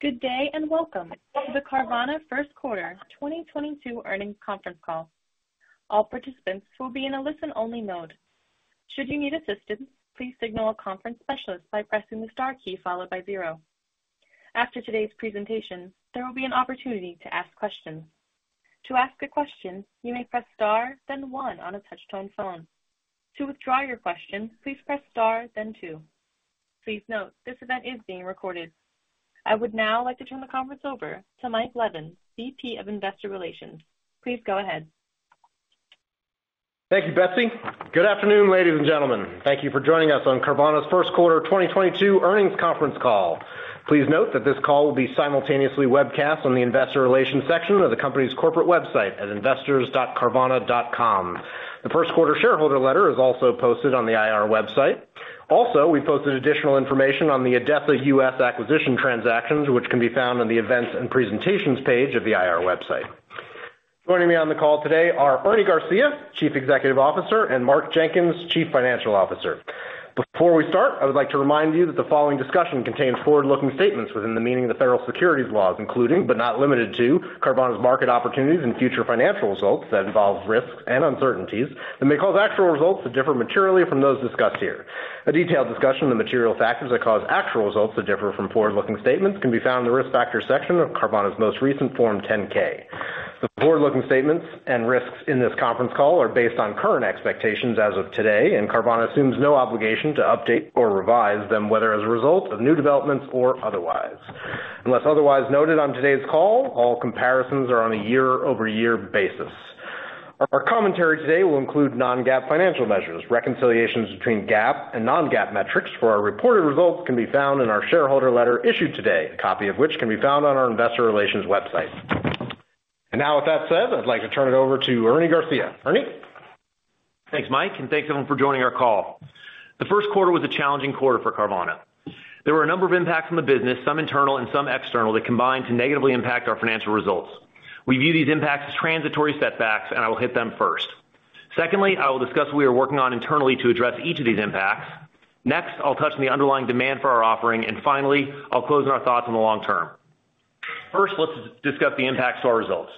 Good day, and welcome to the Carvana first quarter 2022 earnings conference call. All participants will be in a listen-only mode. Should you need assistance, please signal a conference specialist by pressing the star key followed by zero. After today's presentation, there will be an opportunity to ask questions. To ask a question, you may press star, then one on a touch-tone phone. To withdraw your question, please press star then two. Please note, this event is being recorded. I would now like to turn the conference over to Mike Levin, VP of Investor Relations. Please go ahead. Thank you, Betsy. Good afternoon, ladies and gentlemen. Thank you for joining us on Carvana's first quarter 2022 earnings conference call. Please note that this call will be simultaneously webcast on the investor relations section of the company's corporate website at investors.carvana.com. The first quarter shareholder letter is also posted on the IR website. Also, we posted additional information on the ADESA U.S. acquisition transactions, which can be found on the Events and Presentations page of the IR website. Joining me on the call today are Ernie Garcia, Chief Executive Officer, and Mark Jenkins, Chief Financial Officer. Before we start, I would like to remind you that the following discussion contains forward-looking statements within the meaning of the federal securities laws, including, but not limited to, Carvana's market opportunities and future financial results that involve risks and uncertainties that may cause actual results to differ materially from those discussed here. A detailed discussion of the material factors that cause actual results to differ from forward-looking statements can be found in the Risk Factors section of Carvana's most recent Form 10-K. The forward-looking statements and risks in this conference call are based on current expectations as of today, and Carvana assumes no obligation to update or revise them, whether as a result of new developments or otherwise. Unless otherwise noted on today's call, all comparisons are on a year-over-year basis. Our commentary today will include non-GAAP financial measures. Reconciliations between GAAP and non-GAAP metrics for our reported results can be found in our shareholder letter issued today, a copy of which can be found on our investor relations website. Now with that said, I'd like to turn it over to Ernie Garcia. Ernie. Thanks, Mike, and thanks, everyone, for joining our call. The first quarter was a challenging quarter for Carvana. There were a number of impacts on the business, some internal and some external, that combined to negatively impact our financial results. We view these impacts as transitory setbacks, and I will hit them first. Secondly, I will discuss what we are working on internally to address each of these impacts. Next, I'll touch on the underlying demand for our offering. Finally, I'll close on our thoughts on the long term. First, let's discuss the impacts to our results.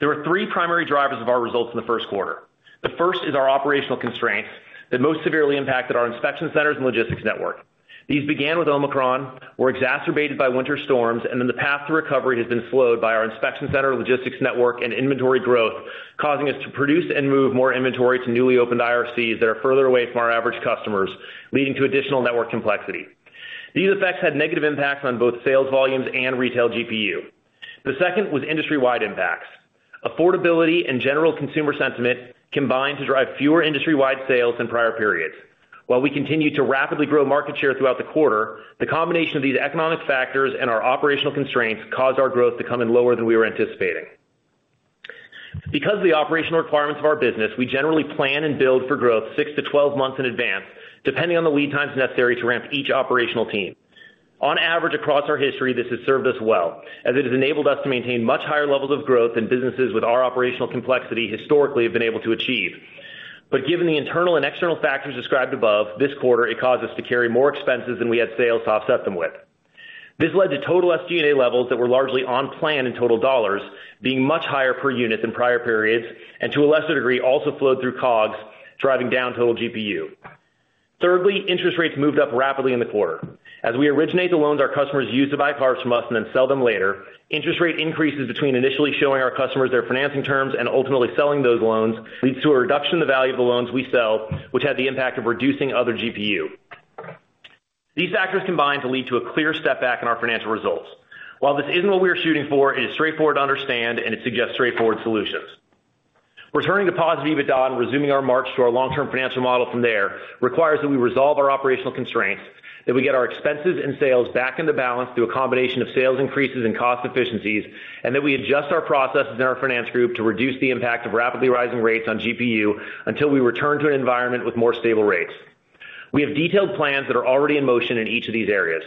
There were three primary drivers of our results in the first quarter. The first is our operational constraints that most severely impacted our inspection centers and logistics network. These began with Omicron, were exacerbated by winter storms, and then the path to recovery has been slowed by our inspection center, logistics network, and inventory growth, causing us to produce and move more inventory to newly opened IRCs that are further away from our average customers, leading to additional network complexity. These effects had negative impacts on both sales volumes and Retail GPU. The second was industry-wide impacts. Affordability and general consumer sentiment combined to drive fewer industry-wide sales than prior periods. While we continued to rapidly grow market share throughout the quarter, the combination of these economic factors and our operational constraints caused our growth to come in lower than we were anticipating. Because of the operational requirements of our business, we generally plan and build for growth six to 12 months in advance, depending on the lead times necessary to ramp each operational team. On average, across our history, this has served us well, as it has enabled us to maintain much higher levels of growth than businesses with our operational complexity historically have been able to achieve. Given the internal and external factors described above, this quarter, it caused us to carry more expenses than we had sales to offset them with. This led to total SG&A levels that were largely on plan in total dollars being much higher per unit than prior periods, and to a lesser degree, also flowed through COGS, driving down total GPU. Thirdly, interest rates moved up rapidly in the quarter. As we originate the loans our customers use to buy cars from us and then sell them later, interest rate increases between initially showing our customers their financing terms and ultimately selling those loans leads to a reduction in the value of the loans we sell, which had the impact of reducing other GPU. These factors combined to lead to a clear step back in our financial results. While this isn't what we are shooting for, it is straightforward to understand and it suggests straightforward solutions. Returning to positive EBITDA and resuming our march to our long-term financial model from there requires that we resolve our operational constraints, that we get our expenses and sales back into balance through a combination of sales increases and cost efficiencies, and that we adjust our processes in our finance group to reduce the impact of rapidly rising rates on GPU until we return to an environment with more stable rates. We have detailed plans that are already in motion in each of these areas.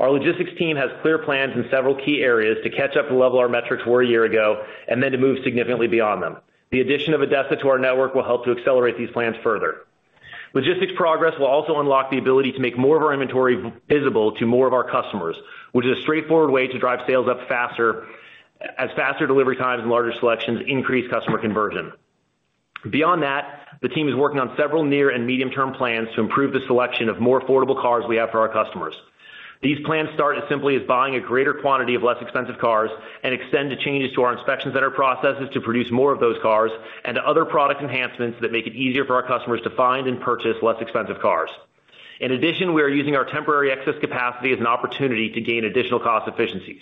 Our logistics team has clear plans in several key areas to catch up to the level our metrics were a year ago and then to move significantly beyond them. The addition of ADESA to our network will help to accelerate these plans further. Logistics progress will also unlock the ability to make more of our inventory visible to more of our customers, which is a straightforward way to drive sales up faster as faster delivery times and larger selections increase customer conversion. Beyond that, the team is working on several near- and medium-term plans to improve the selection of more affordable cars we have for our customers. These plans start as simply as buying a greater quantity of less expensive cars and extend to changes to our inspection processes to produce more of those cars and to other product enhancements that make it easier for our customers to find and purchase less expensive cars. In addition, we are using our temporary excess capacity as an opportunity to gain additional cost efficiencies.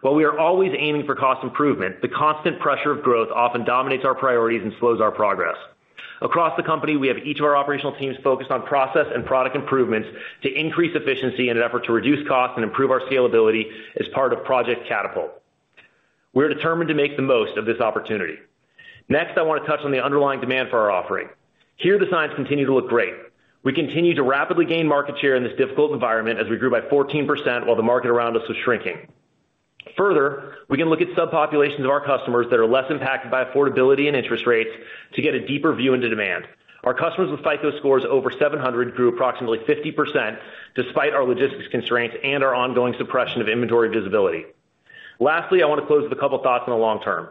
While we are always aiming for cost improvement, the constant pressure of growth often dominates our priorities and slows our progress. Across the company, we have each of our operational teams focused on process and product improvements to increase efficiency in an effort to reduce cost and improve our scalability as part of Project Catapult. We're determined to make the most of this opportunity. Next, I want to touch on the underlying demand for our offering. Here, the signs continue to look great. We continue to rapidly gain market share in this difficult environment as we grew by 14% while the market around us was shrinking. Further, we can look at subpopulations of our customers that are less impacted by affordability and interest rates to get a deeper view into demand. Our customers with FICO scores over 700 grew approximately 50% despite our logistics constraints and our ongoing suppression of inventory visibility. Lastly, I want to close with a couple of thoughts on the long term.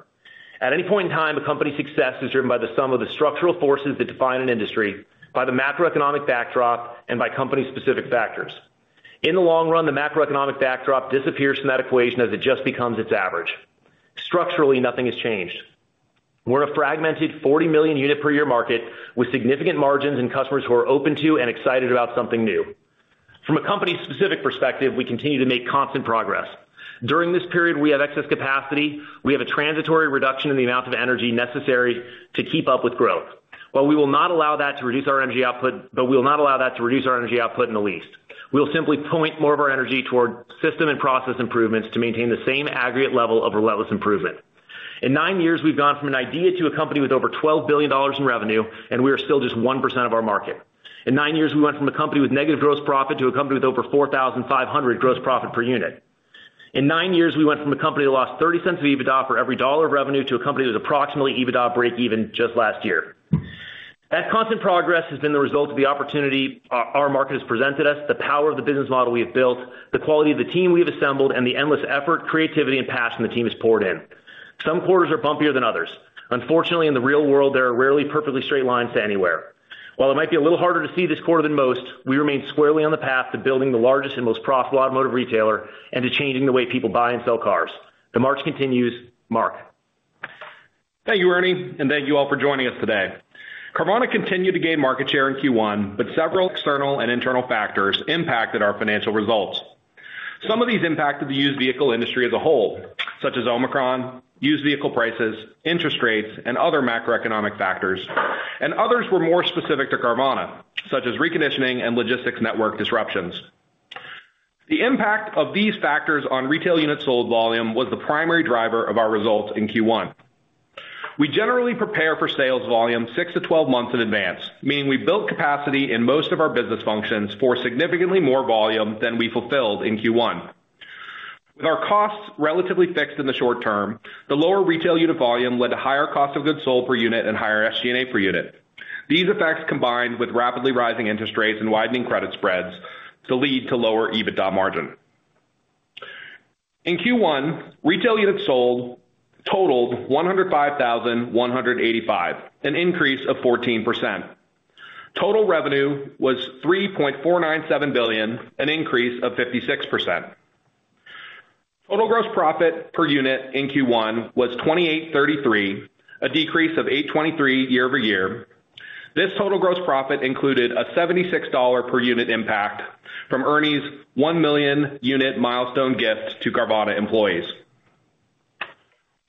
At any point in time, a company's success is driven by the sum of the structural forces that define an industry, by the macroeconomic backdrop, and by company-specific factors. In the long run, the macroeconomic backdrop disappears from that equation as it just becomes its average. Structurally, nothing has changed. We're in a fragmented 40 million unit per year market with significant margins and customers who are open to and excited about something new. From a company-specific perspective, we continue to make constant progress. During this period, we have excess capacity, we have a transitory reduction in the amount of energy necessary to keep up with growth. We will not allow that to reduce our energy output in the least. We will simply point more of our energy toward system and process improvements to maintain the same aggregate level of relentless improvement. In nine years, we've gone from an idea to a company with over $12 billion in revenue, and we are still just 1% of our market. In nine years, we went from a company with negative gross profit to a company with over $4,500 gross profit per unit. In nine years, we went from a company that lost $0.30 of EBITDA for every $1 of revenue to a company with approximately EBITDA breakeven just last year. That constant progress has been the result of the opportunity our market has presented us, the power of the business model we have built, the quality of the team we have assembled, and the endless effort, creativity and passion the team has poured in. Some quarters are bumpier than others. Unfortunately, in the real world, there are rarely perfectly straight lines to anywhere. While it might be a little harder to see this quarter than most, we remain squarely on the path to building the largest and most profitable automotive retailer and to changing the way people buy and sell cars. The march continues. Mark. Thank you, Ernie, and thank you all for joining us today. Carvana continued to gain market share in Q1, but several external and internal factors impacted our financial results. Some of these impacted the used vehicle industry as a whole, such as Omicron, used vehicle prices, interest rates, and other macroeconomic factors. Others were more specific to Carvana, such as reconditioning and logistics network disruptions. The impact of these factors on retail units sold volume was the primary driver of our results in Q1. We generally prepare for sales volume six to 12 months in advance, meaning we build capacity in most of our business functions for significantly more volume than we fulfilled in Q1. With our costs relatively fixed in the short term, the lower retail unit volume led to higher cost of goods sold per unit and higher SG&A per unit. These effects combined with rapidly rising interest rates and widening credit spreads to lead to lower EBITDA margin. In Q1, retail units sold totaled 105,185, an increase of 14%. Total revenue was $3.497 billion, an increase of 56%. Total gross profit per unit in Q1 was $2,833, a decrease of $823 year-over-year. This total gross profit included a $76 per unit impact from Ernie's 1 million unit milestone gift to Carvana employees.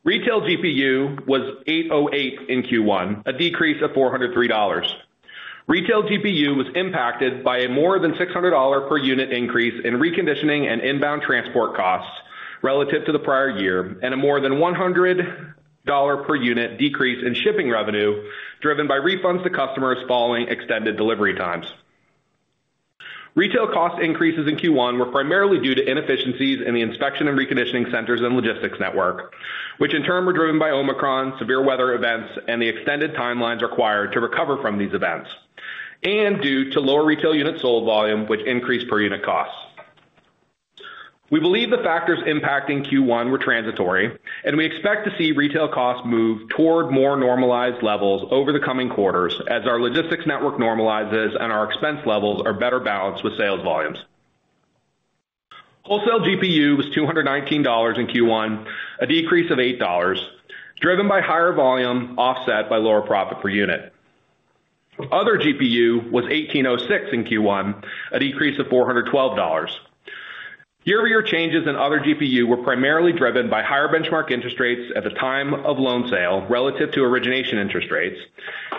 Retail GPU was $808 in Q1, a decrease of $403. Retail GPU was impacted by a more than $600 per unit increase in reconditioning and inbound transport costs relative to the prior year, and a more than $100 per unit decrease in shipping revenue driven by refunds to customers following extended delivery times. Retail cost increases in Q1 were primarily due to inefficiencies in the inspection and reconditioning centers and logistics network, which in turn were driven by Omicron, severe weather events, and the extended timelines required to recover from these events, and due to lower retail units sold volume, which increased per unit costs. We believe the factors impacting Q1 were transitory, and we expect to see retail costs move toward more normalized levels over the coming quarters as our logistics network normalizes and our expense levels are better balanced with sales volumes. Wholesale GPU was $219 in Q1, a decrease of $8, driven by higher volume offset by lower profit per unit. Other GPU was $1,806 in Q1, a decrease of $412. Year-over-year changes in other GPU were primarily driven by higher benchmark interest rates at the time of loan sale relative to origination interest rates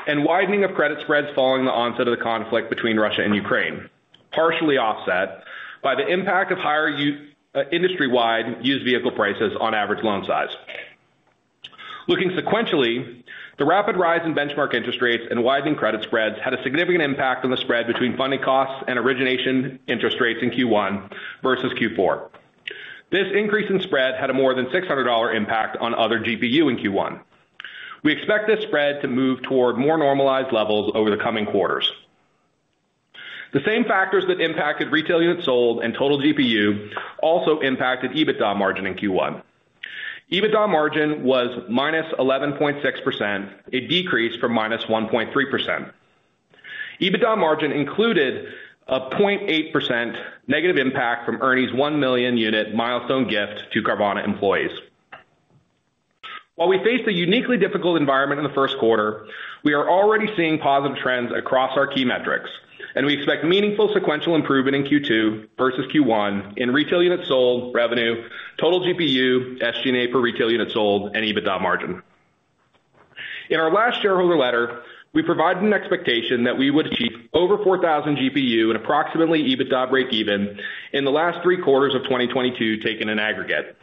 and widening of credit spreads following the onset of the conflict between Russia and Ukraine, partially offset by the impact of higher industry-wide used vehicle prices on average loan size. Looking sequentially, the rapid rise in benchmark interest rates and widening credit spreads had a significant impact on the spread between funding costs and origination interest rates in Q1 versus Q4. This increase in spread had a more than $600 impact on other GPU in Q1. We expect this spread to move toward more normalized levels over the coming quarters. The same factors that impacted retail units sold and total GPU also impacted EBITDA margin in Q1. EBITDA margin was -11.6%, a decrease from -1.3%. EBITDA margin included a 0.8% negative impact from Ernie's 1 million unit milestone gift to Carvana employees. While we face a uniquely difficult environment in the first quarter, we are already seeing positive trends across our key metrics, and we expect meaningful sequential improvement in Q2 versus Q1 in retail units sold, revenue, total GPU, SG&A per retail unit sold, and EBITDA margin. In our last shareholder letter, we provided an expectation that we would achieve over 4,000 GPU and approximately EBITDA breakeven in the last three quarters of 2022, taken in aggregate.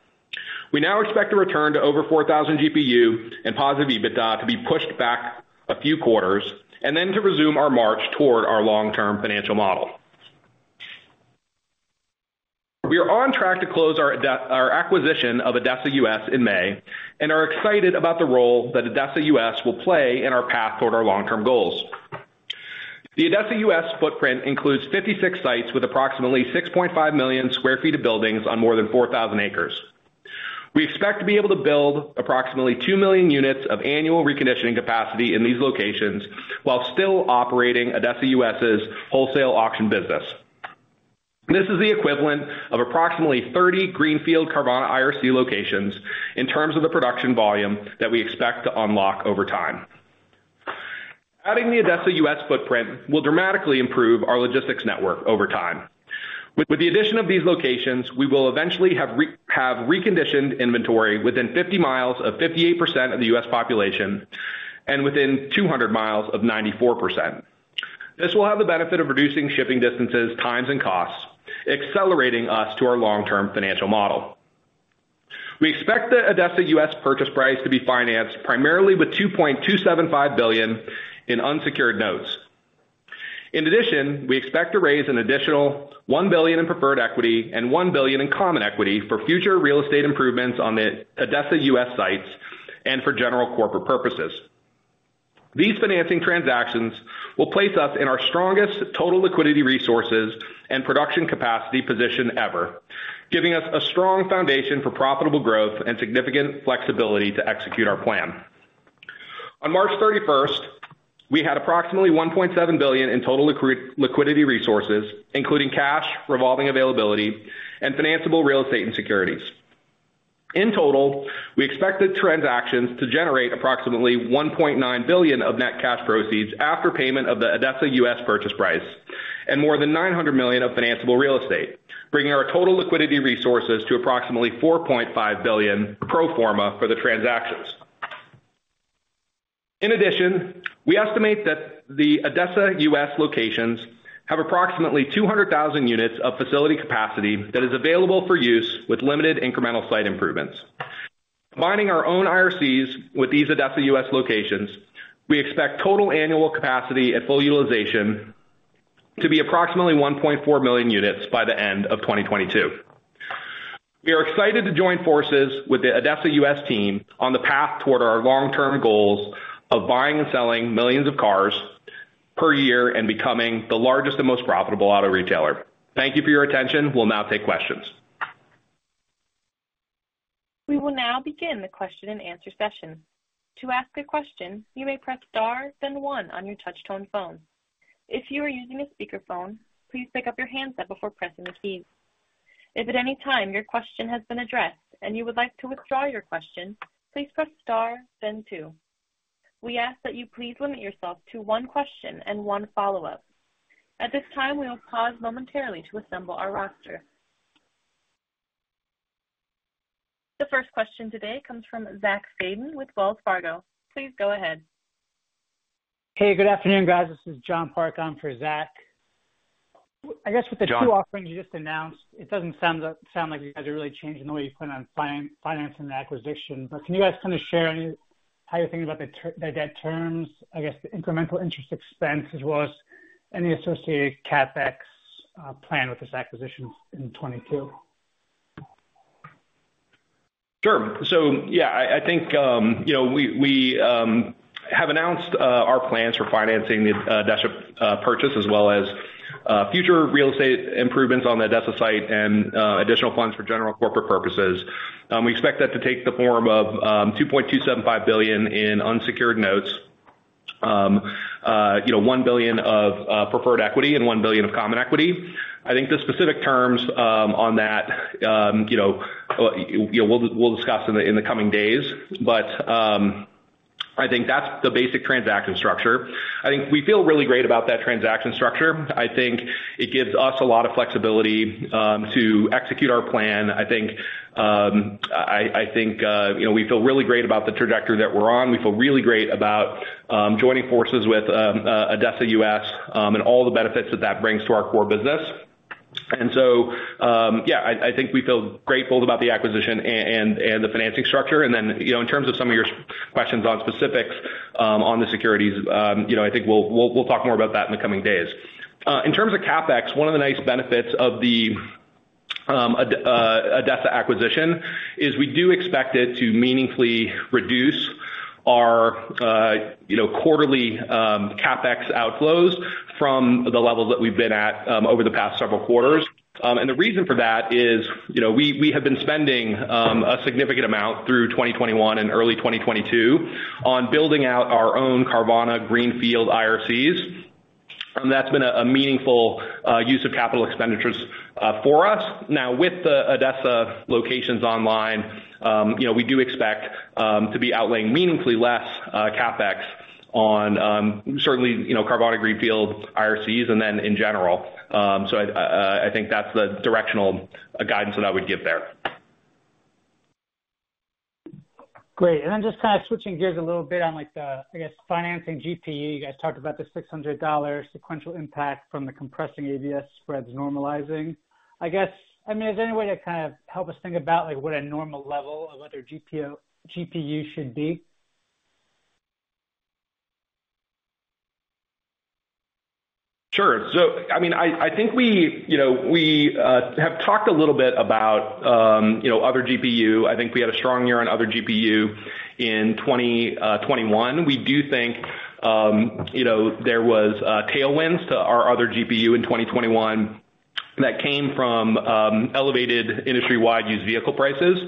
We now expect a return to over 4,000 GPU and positive EBITDA to be pushed back a few quarters and then to resume our march toward our long-term financial model. We are on track to close our acquisition of ADESA U.S. in May and are excited about the role that ADESA U.S. will play in our path toward our long-term goals. The ADESA U.S. footprint includes 56 sites with approximately 6.5 million sq ft of buildings on more than 4,000 acres. We expect to be able to build approximately 2 million units of annual reconditioning capacity in these locations while still operating ADESA U.S.'s wholesale auction business. This is the equivalent of approximately 30 greenfield Carvana IRC locations in terms of the production volume that we expect to unlock over time. Adding the ADESA U.S. footprint will dramatically improve our logistics network over time. With the addition of these locations, we will eventually have reconditioned inventory within 50 miles of 58% of the U.S. population and within 200 miles of 94%. This will have the benefit of reducing shipping distances, times, and costs, accelerating us to our long-term financial model. We expect the ADESA U.S. purchase price to be financed primarily with $2.275 billion in unsecured notes. In addition, we expect to raise an additional $1 billion in preferred equity and $1 billion in common equity for future real estate improvements on the ADESA U.S. sites and for general corporate purposes. These financing transactions will place us in our strongest total liquidity resources and production capacity position ever, giving us a strong foundation for profitable growth and significant flexibility to execute our plan. On March 31st, we had approximately $1.7 billion in total liquidity resources, including cash, revolving availability, and financeable real estate and securities. In total, we expect the transactions to generate approximately $1.9 billion of net cash proceeds after payment of the ADESA U.S. purchase price and more than $900 million of financeable real estate, bringing our total liquidity resources to approximately $4.5 billion pro forma for the transactions. In addition, we estimate that the ADESA U.S. locations have approximately 200,000 units of facility capacity that is available for use with limited incremental site improvements. Combining our own IRCs with these ADESA U.S. locations, we expect total annual capacity at full utilization to be approximately 1.4 million units by the end of 2022. We are excited to join forces with the ADESA U.S. team on the path toward our long-term goals of buying and selling millions of cars per year and becoming the largest and most profitable auto retailer. Thank you for your attention. We'll now take questions. We will now begin the question-and-answer session. To ask a question, you may press star, then one on your touch-tone phone. If you are using a speakerphone, please pick up your handset before pressing the keys. If at any time your question has been addressed and you would like to withdraw your question, please press star then two. We ask that you please limit yourself to one question and one follow-up. At this time, we will pause momentarily to assemble our roster. The first question today comes from Zachary Fadem with Wells Fargo. Please go ahead. Hey, good afternoon, guys. This is John Park on for Zach. John. I guess with the two offerings you just announced, it doesn't sound like you guys are really changing the way you plan on financing the acquisition. Can you guys kind of share how you're thinking about the debt terms, I guess, the incremental interest expense, as well as any associated CapEx plan with this acquisition in 2022? Sure. Yeah, I think, you know, we have announced our plans for financing the ADESA purchase as well as future real estate improvements on the ADESA site and additional funds for general corporate purposes. We expect that to take the form of $2.275 billion in unsecured notes, you know, $1 billion of preferred equity and $1 billion of common equity. I think the specific terms on that, you know, we'll discuss in the coming days. I think that's the basic transaction structure. I think we feel really great about that transaction structure. I think it gives us a lot of flexibility to execute our plan. I think you know, we feel really great about the trajectory that we're on. We feel really great about joining forces with ADESA U.S. and all the benefits that that brings to our core business. Yeah, I think we feel grateful about the acquisition and the financing structure. You know, in terms of some of your questions on specifics on the securities, you know, I think we'll talk more about that in the coming days. In terms of CapEx, one of the nice benefits of the ADESA U.S. acquisition is we do expect it to meaningfully reduce our you know, quarterly CapEx outflows from the levels that we've been at over the past several quarters. The reason for that is, you know, we have been spending a significant amount through 2021 and early 2022 on building out our own Carvana greenfield IRCs. That's been a meaningful use of capital expenditures for us. Now, with the ADESA locations online, you know, we do expect to be outlaying meaningfully less CapEx on, certainly, you know, Carvana greenfield IRCs and then in general. I think that's the directional guidance that I would give there. Great. Then just kind of switching gears a little bit on, like, the, I guess, financing GPU. You guys talked about the $600 sequential impact from the compressing ABS spreads normalizing. I guess, I mean, is there any way to kind of help us think about, like, what a normal level of what their GPU should be? Sure. I mean, I think we, you know, we have talked a little bit about, you know, other GPU. I think we had a strong year on other GPU in 2021. We do think, you know, there was tailwinds to our other GPU in 2021 that came from elevated industry-wide used vehicle prices.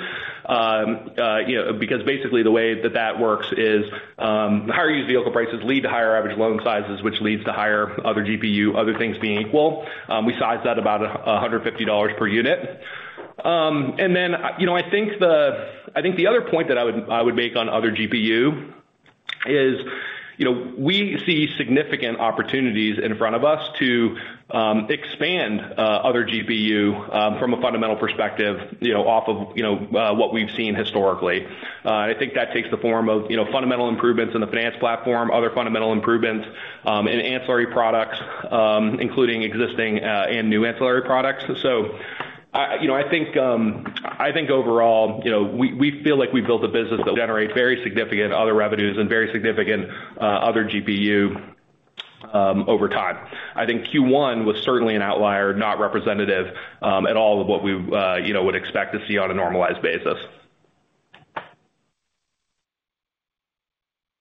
You know, because basically the way that that works is, the higher used vehicle prices lead to higher average loan sizes, which leads to higher other GPU, other things being equal. We sized that about $150 per unit. You know, I think the other point that I would make on Other GPU is, you know, we see significant opportunities in front of us to expand Other GPU from a fundamental perspective, you know, off of you know what we've seen historically. I think that takes the form of, you know, fundamental improvements in the finance platform, other fundamental improvements, and ancillary products, including existing and new ancillary products. You know, I think overall, you know, we feel like we built a business that generates very significant other revenues and very significant Other GPU over time. I think Q1 was certainly an outlier, not representative at all of what we you know would expect to see on a normalized basis.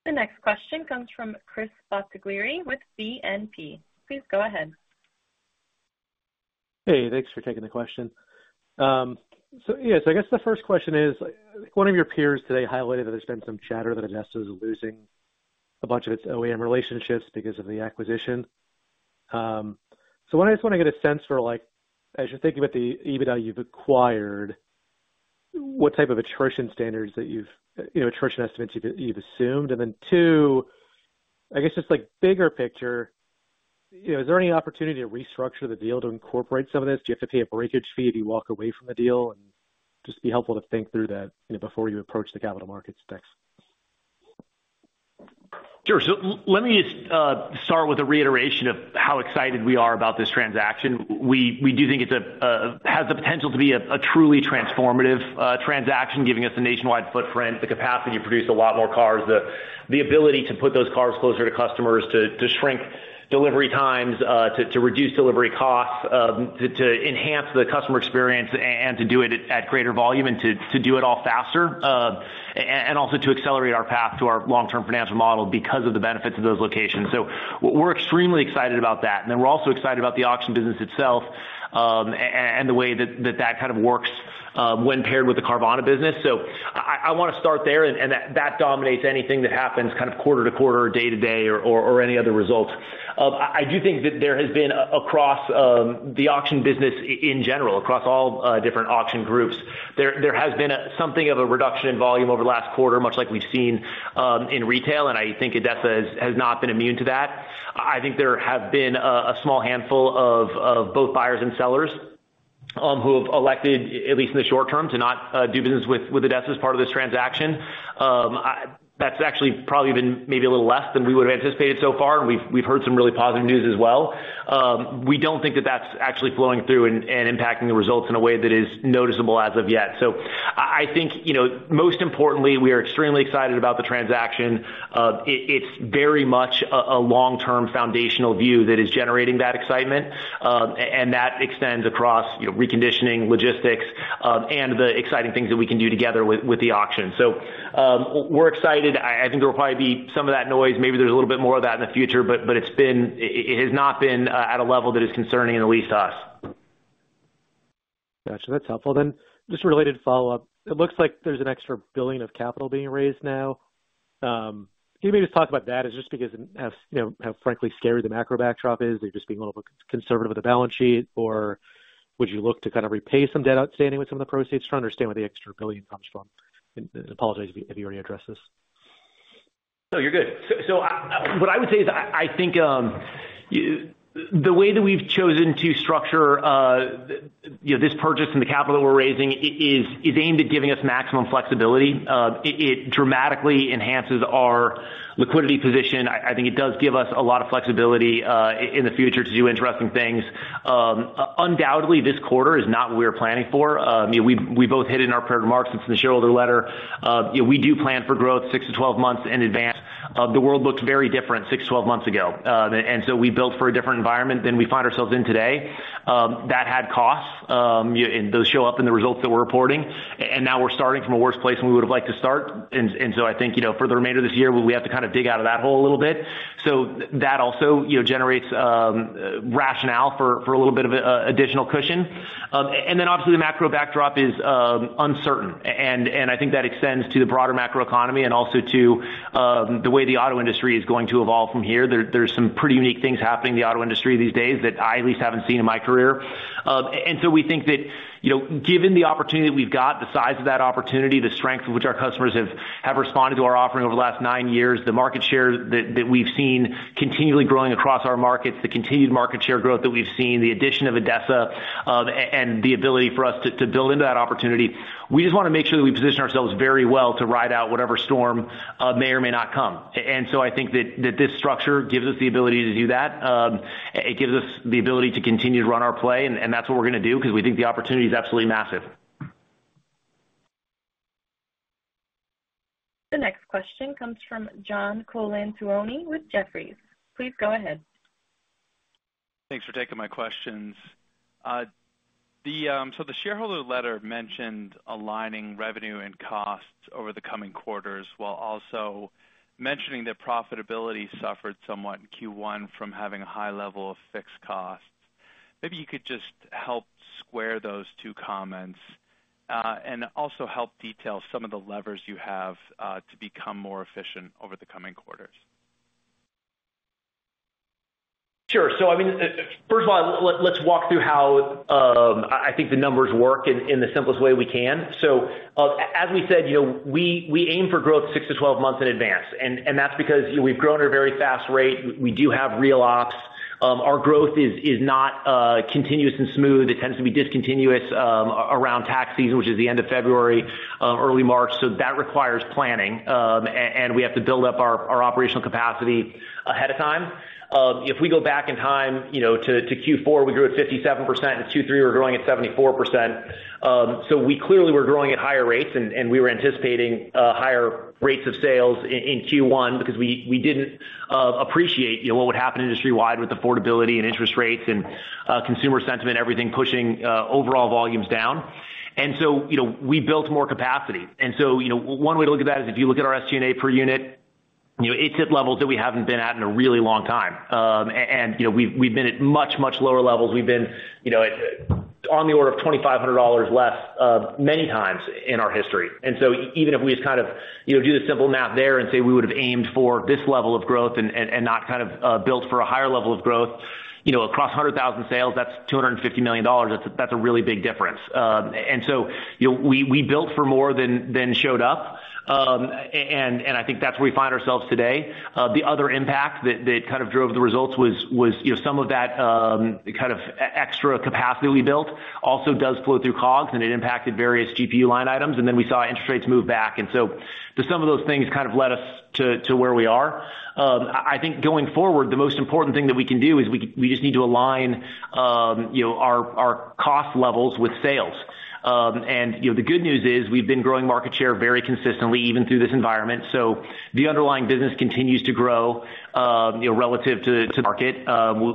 The next question comes from Chris Bottiglieri with BNP. Please go ahead. Hey, thanks for taking the question. Yeah. I guess the first question is, one of your peers today highlighted that there's been some chatter that ADESA is losing a bunch of its OEM relationships because of the acquisition. What I just want to get a sense for, like, as you're thinking about the EBITDA you've acquired, what type of attrition estimates you've assumed. Then two, I guess just like bigger picture, you know, is there any opportunity to restructure the deal to incorporate some of this? Do you have to pay a breakage fee if you walk away from the deal? Just be helpful to think through that, you know, before you approach the capital markets, thanks. Sure. Let me start with a reiteration of how excited we are about this transaction. We do think it has the potential to be a truly transformative transaction, giving us a nationwide footprint, the capacity to produce a lot more cars, the ability to put those cars closer to customers, to shrink delivery times, to reduce delivery costs, to enhance the customer experience and to do it at greater volume and to do it all faster, and also to accelerate our path to our long-term financial model because of the benefits of those locations. We're extremely excited about that. We're also excited about the auction business itself, and the way that kind of works, when paired with the Carvana business. I want to start there and that dominates anything that happens kind of quarter-to-quarter or day-to-day or any other results. I do think that there has been across the auction business in general, across all different auction groups, there has been something of a reduction in volume over the last quarter, much like we've seen in retail, and I think ADESA has not been immune to that. I think there have been a small handful of both buyers and sellers who have elected, at least in the short term, to not do business with ADESA as part of this transaction. That's actually probably been maybe a little less than we would have anticipated so far. We've heard some really positive news as well. We don't think that that's actually flowing through and impacting the results in a way that is noticeable as of yet. I think, you know, most importantly, we are extremely excited about the transaction. It's very much a long-term foundational view that is generating that excitement, and that extends across, you know, reconditioning, logistics, and the exciting things that we can do together with the auction. We're excited. I think there will probably be some of that noise. Maybe there's a little bit more of that in the future, but it has not been at a level that is concerning, at least to us. Got you. That's helpful. Just a related follow-up. It looks like there's an extra $1 billion of capital being raised now. Can you maybe just talk about that? Is it just because, you know, how frankly scary the macro backdrop is, or you're just being a little conservative with the balance sheet, or would you look to kind of repay some debt outstanding with some of the proceeds? Trying to understand where the extra $1 billion comes from. Apologize if you already addressed this. No, you're good. What I would say is I think the way that we've chosen to structure you know this purchase and the capital we're raising is aimed at giving us maximum flexibility. It dramatically enhances our liquidity position. I think it does give us a lot of flexibility in the future to do interesting things. Undoubtedly, this quarter is not what we're planning for. You know, we both hit in our prepared remarks. It's in the shareholder letter. You know, we do plan for growth six to 12 months in advance. The world looked very different six to 12 months ago. We built for a different environment than we find ourselves in today. That had costs, those show up in the results that we're reporting. Now we're starting from a worse place than we would have liked to start. I think, you know, for the remainder of this year, we have to kind of dig out of that hole a little bit. That also, you know, generates rationale for a little bit of a additional cushion. Then obviously the macro backdrop is uncertain. I think that extends to the broader macro economy and also to the way the auto industry is going to evolve from here. There's some pretty unique things happening in the auto industry these days that I at least haven't seen in my career. We think that, you know, given the opportunity that we've got, the size of that opportunity, the strength of which our customers have responded to our offering over the last nine years, the market share that we've seen continually growing across our markets, the continued market share growth that we've seen, the addition of ADESA, and the ability for us to build into that opportunity, we just wanna make sure that we position ourselves very well to ride out whatever storm may or may not come. I think that this structure gives us the ability to do that. It gives us the ability to continue to run our play, and that's what we're gonna do because we think the opportunity is absolutely massive. The next question comes from John Colantuoni with Jefferies. Please go ahead. Thanks for taking my questions. The shareholder letter mentioned aligning revenue and costs over the coming quarters, while also mentioning that profitability suffered somewhat in Q1 from having a high level of fixed costs. Maybe you could just help square those two comments, and also help detail some of the levers you have, to become more efficient over the coming quarters. Sure. I mean, first of all, let's walk through how I think the numbers work in the simplest way we can. As we said, you know, we aim for growth six to 12 months in advance, and that's because, you know, we've grown at a very fast rate. We do have real ops. Our growth is not continuous and smooth. It tends to be discontinuous around tax season, which is the end of February, early March. That requires planning, and we have to build up our operational capacity ahead of time. If we go back in time, you know, to Q4, we grew at 57%. In Q3, we're growing at 74%. We clearly were growing at higher rates and we were anticipating higher rates of sales in Q1 because we didn't appreciate, you know, what would happen industry-wide with affordability and interest rates and consumer sentiment, everything pushing overall volumes down. We built more capacity. One way to look at that is if you look at our SG&A per unit, you know, it's at levels that we haven't been at in a really long time. And, you know, we've been at much lower levels. We've been, you know, at on the order of $2,500 less many times in our history. Even if we just kind of, you know, do the simple math there and say we would've aimed for this level of growth and not kind of built for a higher level of growth, you know, across 100,000 sales, that's $250 million. That's a really big difference. We built for more than showed up, and I think that's where we find ourselves today. The other impact that kind of drove the results was some of that kind of extra capacity we built also does flow through COGS, and it impacted various GPU line items. Then we saw interest rates move back. Some of those things kind of led us to where we are. I think going forward, the most important thing that we can do is we just need to align, you know, our cost levels with sales. You know, the good news is we've been growing market share very consistently, even through this environment. The underlying business continues to grow, you know, relative to market.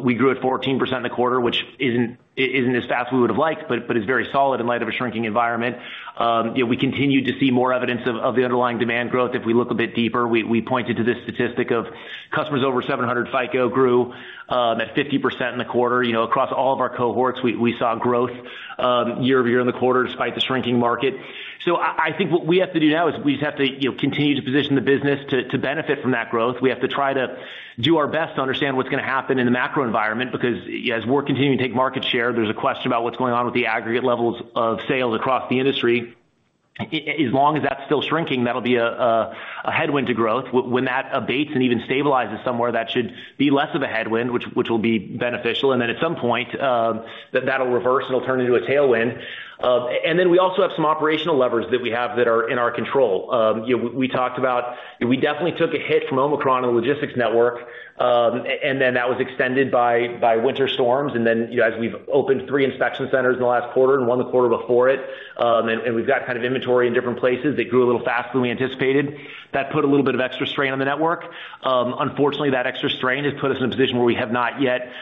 We grew at 14% in the quarter, which isn't as fast as we would've liked, but is very solid in light of a shrinking environment. You know, we continue to see more evidence of the underlying demand growth if we look a bit deeper. We pointed to this statistic of customers over 700 FICO grew at 50% in the quarter. You know, across all of our cohorts, we saw growth year-over-year in the quarter despite the shrinking market. I think what we have to do now is we just have to, you know, continue to position the business to benefit from that growth. We have to try to do our best to understand what's gonna happen in the macro environment because as we're continuing to take market share, there's a question about what's going on with the aggregate levels of sales across the industry. As long as that's still shrinking, that'll be a headwind to growth. When that abates and even stabilizes somewhere, that should be less of a headwind, which will be beneficial. Then at some point, that that'll reverse and it'll turn into a tailwind. We also have some operational levers that we have that are in our control. You know, we talked about it. We definitely took a hit from Omicron in the logistics network, and then that was extended by winter storms. You know, as we've opened three inspection centers in the last quarter and one the quarter before it, and we've got kind of inventory in different places that grew a little faster than we anticipated, that put a little bit of extra strain on the network. Unfortunately, that extra strain has put us in a position where we have not yet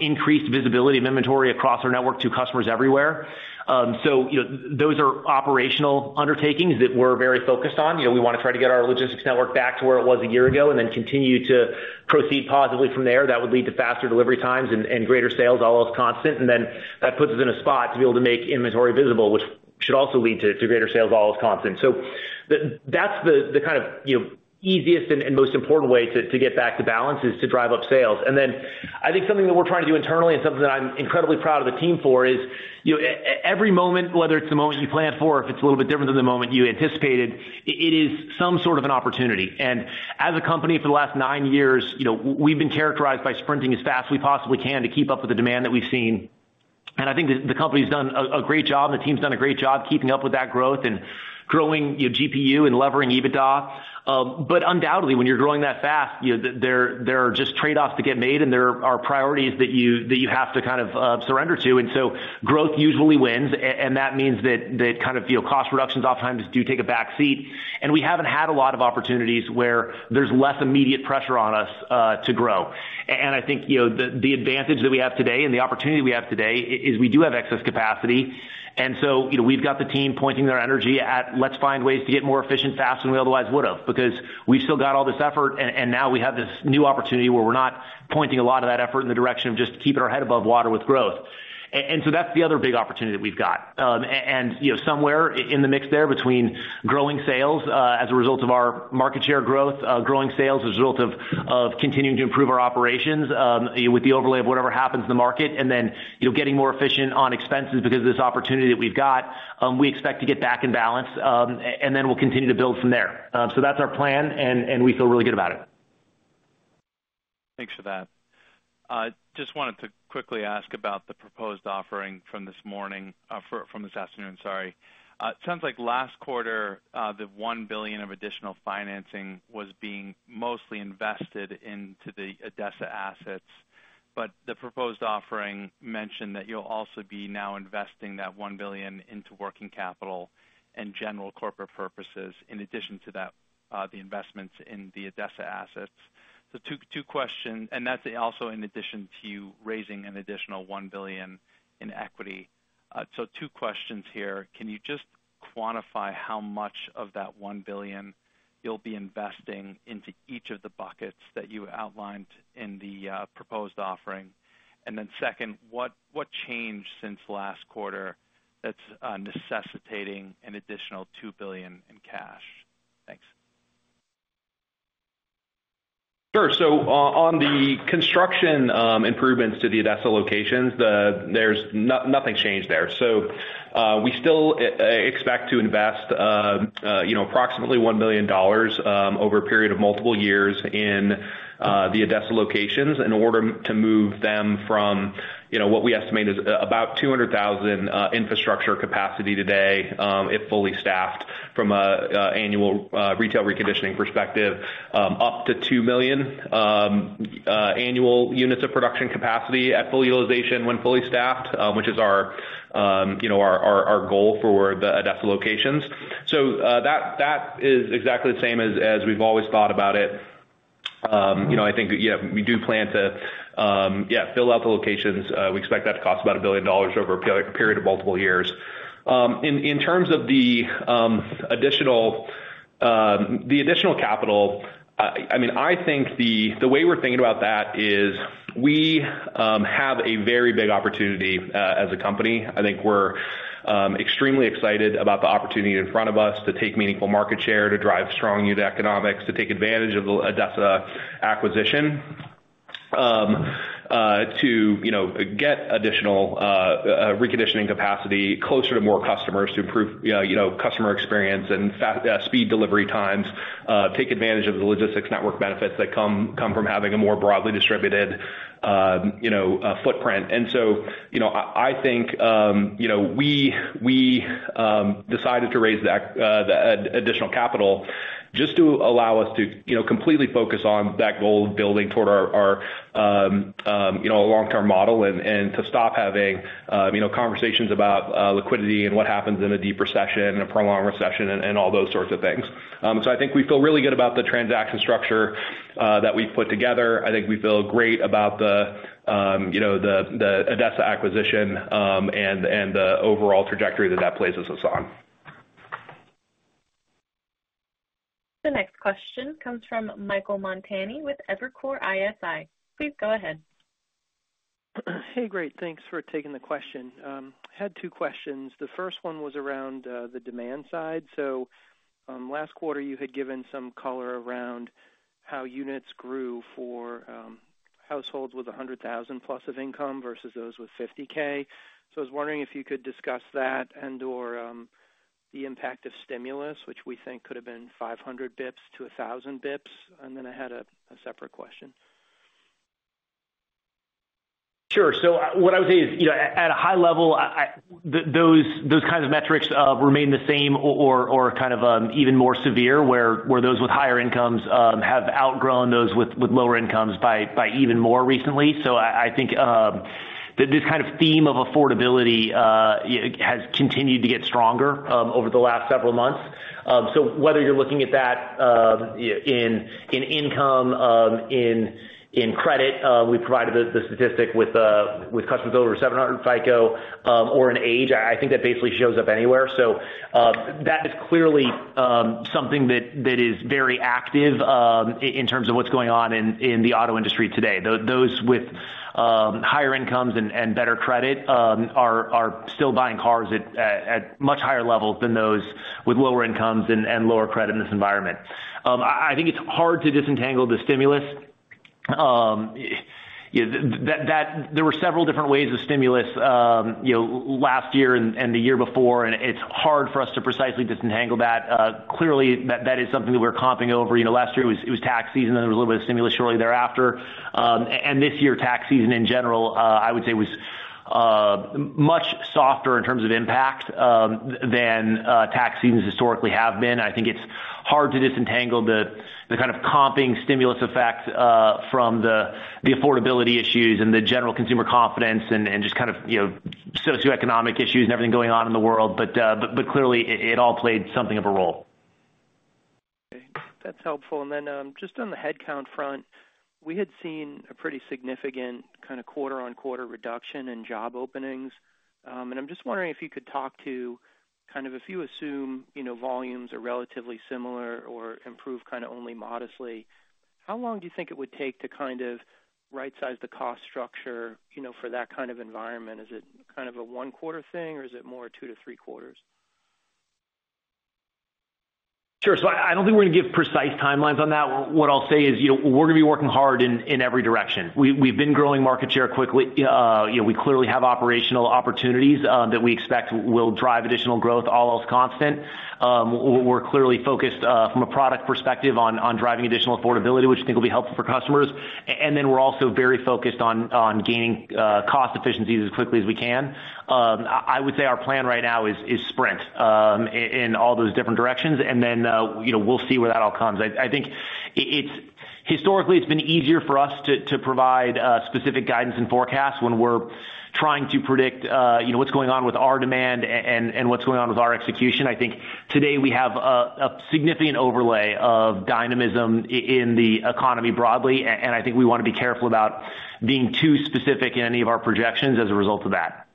increased visibility of inventory across our network to customers everywhere. You know, those are operational undertakings that we're very focused on. You know, we wanna try to get our logistics network back to where it was a year ago and then continue to proceed positively from there. That would lead to faster delivery times and greater sales all else constant. Then that puts us in a spot to be able to make inventory visible, which should also lead to greater sales all else constant. That's the kind of, you know, easiest and most important way to get back to balance is to drive up sales. Then I think something that we're trying to do internally and something that I'm incredibly proud of the team for is, you know, every moment, whether it's the moment you planned for or if it's a little bit different than the moment you anticipated, it is some sort of an opportunity. As a company for the last nine years, you know, we've been characterized by sprinting as fast as we possibly can to keep up with the demand that we've seen. I think the company's done a great job, and the team's done a great job keeping up with that growth and growing, you know, GPU and levering EBITDA. But undoubtedly, when you're growing that fast, you know, there are just trade-offs that get made, and there are priorities that you have to kind of surrender to. Growth usually wins and that means that kind of, you know, cost reductions oftentimes do take a back seat. We haven't had a lot of opportunities where there's less immediate pressure on us to grow. I think, you know, the advantage that we have today and the opportunity we have today is we do have excess capacity. You know, we've got the team pointing their energy at let's find ways to get more efficient faster than we otherwise would've because we've still got all this effort, and now we have this new opportunity where we're not pointing a lot of that effort in the direction of just keeping our head above water with growth. That's the other big opportunity that we've got. You know, somewhere in the mix there between growing sales as a result of our market share growth, growing sales as a result of continuing to improve our operations, you know, with the overlay of whatever happens in the market, and then you know, getting more efficient on expenses because of this opportunity that we've got, we expect to get back in balance, and then we'll continue to build from there. That's our plan, and we feel really good about it. Thanks for that. Just wanted to quickly ask about the proposed offering from this morning, for—from this afternoon, sorry. It sounds like last quarter, the $1 billion of additional financing was being mostly invested into the ADESA assets. But the proposed offering mentioned that you'll also be now investing that $1 billion into working capital and general corporate purposes in addition to that, the investments in the ADESA assets. Two questions. That's also in addition to you raising an additional $1 billion in equity. Two questions here. Can you just quantify how much of that $1 billion you'll be investing into each of the buckets that you outlined in the proposed offering? Then second, what changed since last quarter that's necessitating an additional $2 billion in cash? Thanks. Sure. On the construction improvements to the ADESA locations, there's nothing changed there. We still expect to invest, you know, approximately $1 million over a period of multiple years in the ADESA locations in order to move them from, you know, what we estimate is about 200,000 infrastructure capacity today, if fully staffed from an annual retail reconditioning perspective, up to 2 million annual units of production capacity at full utilization when fully staffed, which is our, you know, our goal for the ADESA locations. That is exactly the same as we've always thought about it. You know, I think yeah, we do plan to yeah fill out the locations. We expect that to cost about $1 billion over a period of multiple years. In terms of the additional capital, I mean, I think the way we're thinking about that is we have a very big opportunity as a company. I think we're extremely excited about the opportunity in front of us to take meaningful market share, to drive strong unit economics, to take advantage of the ADESA acquisition, to you know, get additional reconditioning capacity closer to more customers to improve you know, customer experience and faster delivery times, take advantage of the logistics network benefits that come from having a more broadly distributed footprint. I think you know we decided to raise the additional capital just to allow us to you know completely focus on that goal of building toward our you know long-term model and to stop having you know conversations about liquidity and what happens in a deep recession and a prolonged recession and all those sorts of things. I think we feel really good about the transaction structure that we've put together. I think we feel great about the ADESA acquisition and the overall trajectory that that places us on. The next question comes from Michael Montani with Evercore ISI. Please go ahead. Hey, great. Thanks for taking the question. Had two questions. The first one was around the demand side. Last quarter, you had given some color around how units grew for households with 100,000+ of income versus those with 50,000. I was wondering if you could discuss that and/or the impact of stimulus, which we think could have been 500 basis points to 1,000 basis points. I had a separate question. Sure. What I would say is, you know, at a high level, those kinds of metrics remain the same or, kind of, even more severe, where those with higher incomes have outgrown those with lower incomes by even more recently. I think this kind of theme of affordability has continued to get stronger over the last several months. Whether you're looking at that in income, in credit, we provided the statistic with customers over 700 FICO, or in age, I think that basically shows up anywhere. That is clearly something that is very active in terms of what's going on in the auto industry today. Those with higher incomes and better credit are still buying cars at much higher levels than those with lower incomes and lower credit in this environment. I think it's hard to disentangle the stimulus. That there were several different ways of stimulus, you know, last year and the year before, and it's hard for us to precisely disentangle that. Clearly, that is something that we're comping over. You know, last year it was tax season. There was a little bit of stimulus shortly thereafter. This year, tax season in general, I would say was much softer in terms of impact than tax seasons historically have been. I think it's hard to disentangle the kind of comping stimulus effect from the affordability issues and the general consumer confidence and just kind of, you know, socioeconomic issues and everything going on in the world. Clearly it all played something of a role. Okay, that's helpful. Just on the headcount front, we had seen a pretty significant kind of quarter-on-quarter reduction in job openings. I'm just wondering if you could talk to kind of if you assume, you know, volumes are relatively similar or improve kind of only modestly, how long do you think it would take to kind of right-size the cost structure, you know, for that kind of environment? Is it kind of a one-quarter thing, or is it more two to three quarters? I don't think we're gonna give precise timelines on that. What I'll say is, you know, we're gonna be working hard in every direction. We've been growing market share quickly. You know, we clearly have operational opportunities that we expect will drive additional growth, all else constant. We're clearly focused from a product perspective on driving additional affordability, which I think will be helpful for customers. Then we're also very focused on gaining cost efficiencies as quickly as we can. I would say our plan right now is sprint in all those different directions, and then you know, we'll see where that all comes. Historically, it's been easier for us to provide specific guidance and forecasts when we're trying to predict you know what's going on with our demand and what's going on with our execution. I think today we have a significant overlay of dynamism in the economy broadly and I think we wanna be careful about being too specific in any of our projections as a result of that.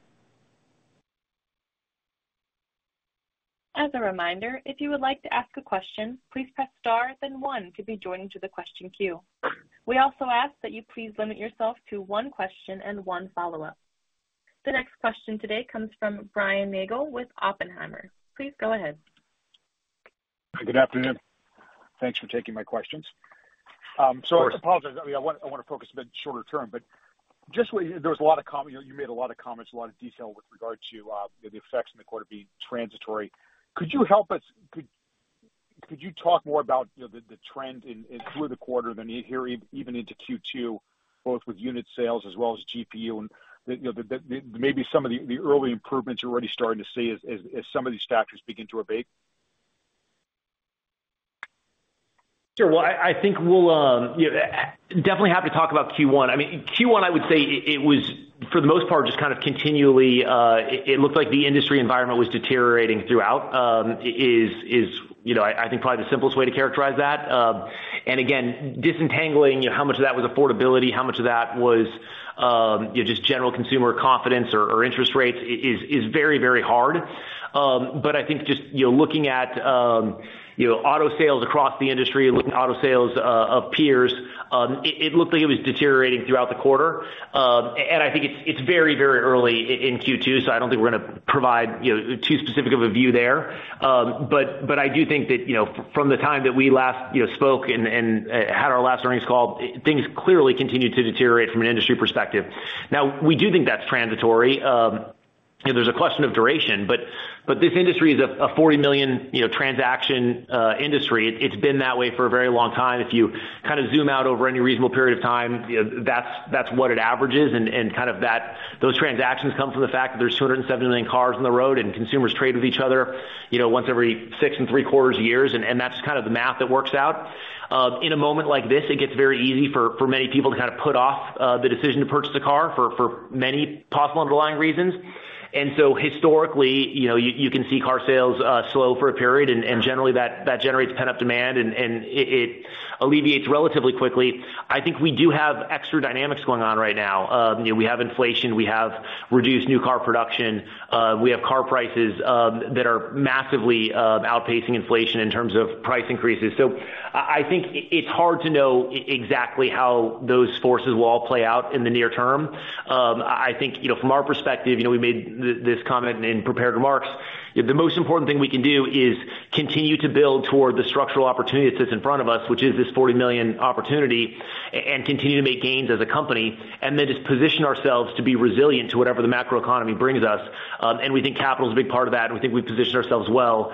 As a reminder, if you would like to ask a question, please press star then one to be joined to the question queue. We also ask that you please limit yourself to one question and one follow-up. The next question today comes from Brian Nagel with Oppenheimer. Please go ahead. Good afternoon. Thanks for taking my questions. I apologize. I mean, I wanna focus a bit shorter term, but just where there was You made a lot of comments, a lot of detail with regard to the effects in the quarter being transitory. Could you talk more about, you know, the trend in through the quarter then here even into Q2, both with unit sales as well as GPU and the, you know, maybe some of the early improvements you're already starting to see as some of these factors begin to abate? Sure. Well, I think we'll definitely happy to talk about Q1. I mean, Q1, I would say it was for the most part just kind of continually deteriorating. It looked like the industry environment was deteriorating throughout. You know, I think probably the simplest way to characterize that. Again, disentangling, you know, how much of that was affordability, how much of that was, you know, just general consumer confidence or interest rates is very, very hard. I think just, you know, looking at, you know, auto sales across the industry, looking at auto sales of peers, it looked like it was deteriorating throughout the quarter. I think it's very early in Q2, so I don't think we're gonna provide, you know, too specific of a view there. I do think that, you know, from the time that we last, you know, spoke and had our last earnings call, things clearly continued to deteriorate from an industry perspective. Now, we do think that's transitory. You know, there's a question of duration, but this industry is a 40 million, you know, transaction industry. It's been that way for a very long time. If you kind of zoom out over any reasonable period of time, you know, that's what it averages and kind of that those transactions come from the fact that there's 270 million cars on the road and consumers trade with each other, you know, once every 6.75 years, and that's kind of the math that works out. In a moment like this, it gets very easy for many people to kind of put off the decision to purchase a car for many possible underlying reasons. Historically, you know, you can see car sales slow for a period, and generally that generates pent-up demand and it alleviates relatively quickly. I think we do have extra dynamics going on right now. You know, we have inflation, we have reduced new car production, we have car prices that are massively outpacing inflation in terms of price increases. I think it's hard to know exactly how those forces will all play out in the near term. I think, you know, from our perspective, you know, we made this comment in prepared remarks. You know, the most important thing we can do is continue to build toward the structural opportunity that sits in front of us, which is this 40 million opportunity, and continue to make gains as a company, and then just position ourselves to be resilient to whatever the macro economy brings us. We think capital is a big part of that, and we think we've positioned ourselves well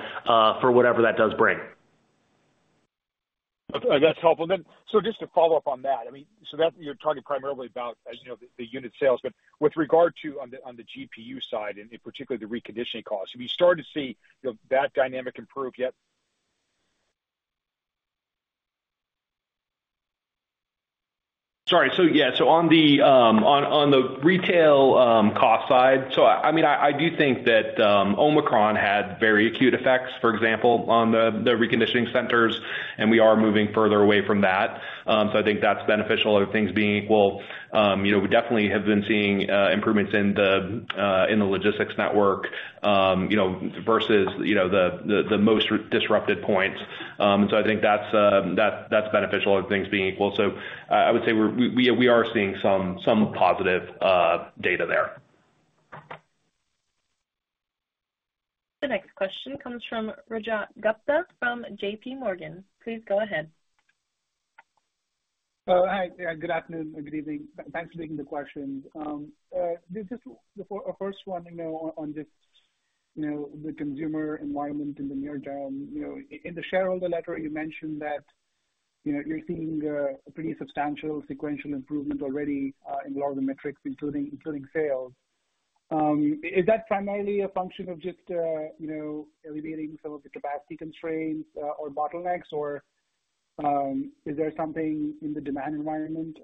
for whatever that does bring. Okay. That's helpful. Just to follow-up on that, I mean, so that you're talking primarily about, as you know, the unit sales. With regard to on the GPU side, and in particular the reconditioning costs, have you started to see, you know, that dynamic improve yet? Sorry. Yeah. On the retail cost side, I mean, I do think that Omicron had very acute effects, for example, on the reconditioning centers, and we are moving further away from that. I think that's beneficial other things being equal. You know, we definitely have been seeing improvements in the logistics network, you know, versus the most disrupted points. I think that's beneficial other things being equal. I would say we're seeing some positive data there. The next question comes from Rajat Gupta from JPMorgan. Please go ahead. Hi. Good afternoon or good evening. Thanks for taking the questions. This is the first one, you know, on this, you know, the consumer environment in the near term. You know, in the shareholder letter, you mentioned that, you know, you're seeing a pretty substantial sequential improvement already in a lot of the metrics, including sales. Is that primarily a function of just, you know, alleviating some of the capacity constraints or bottlenecks? Or is there something in the demand environment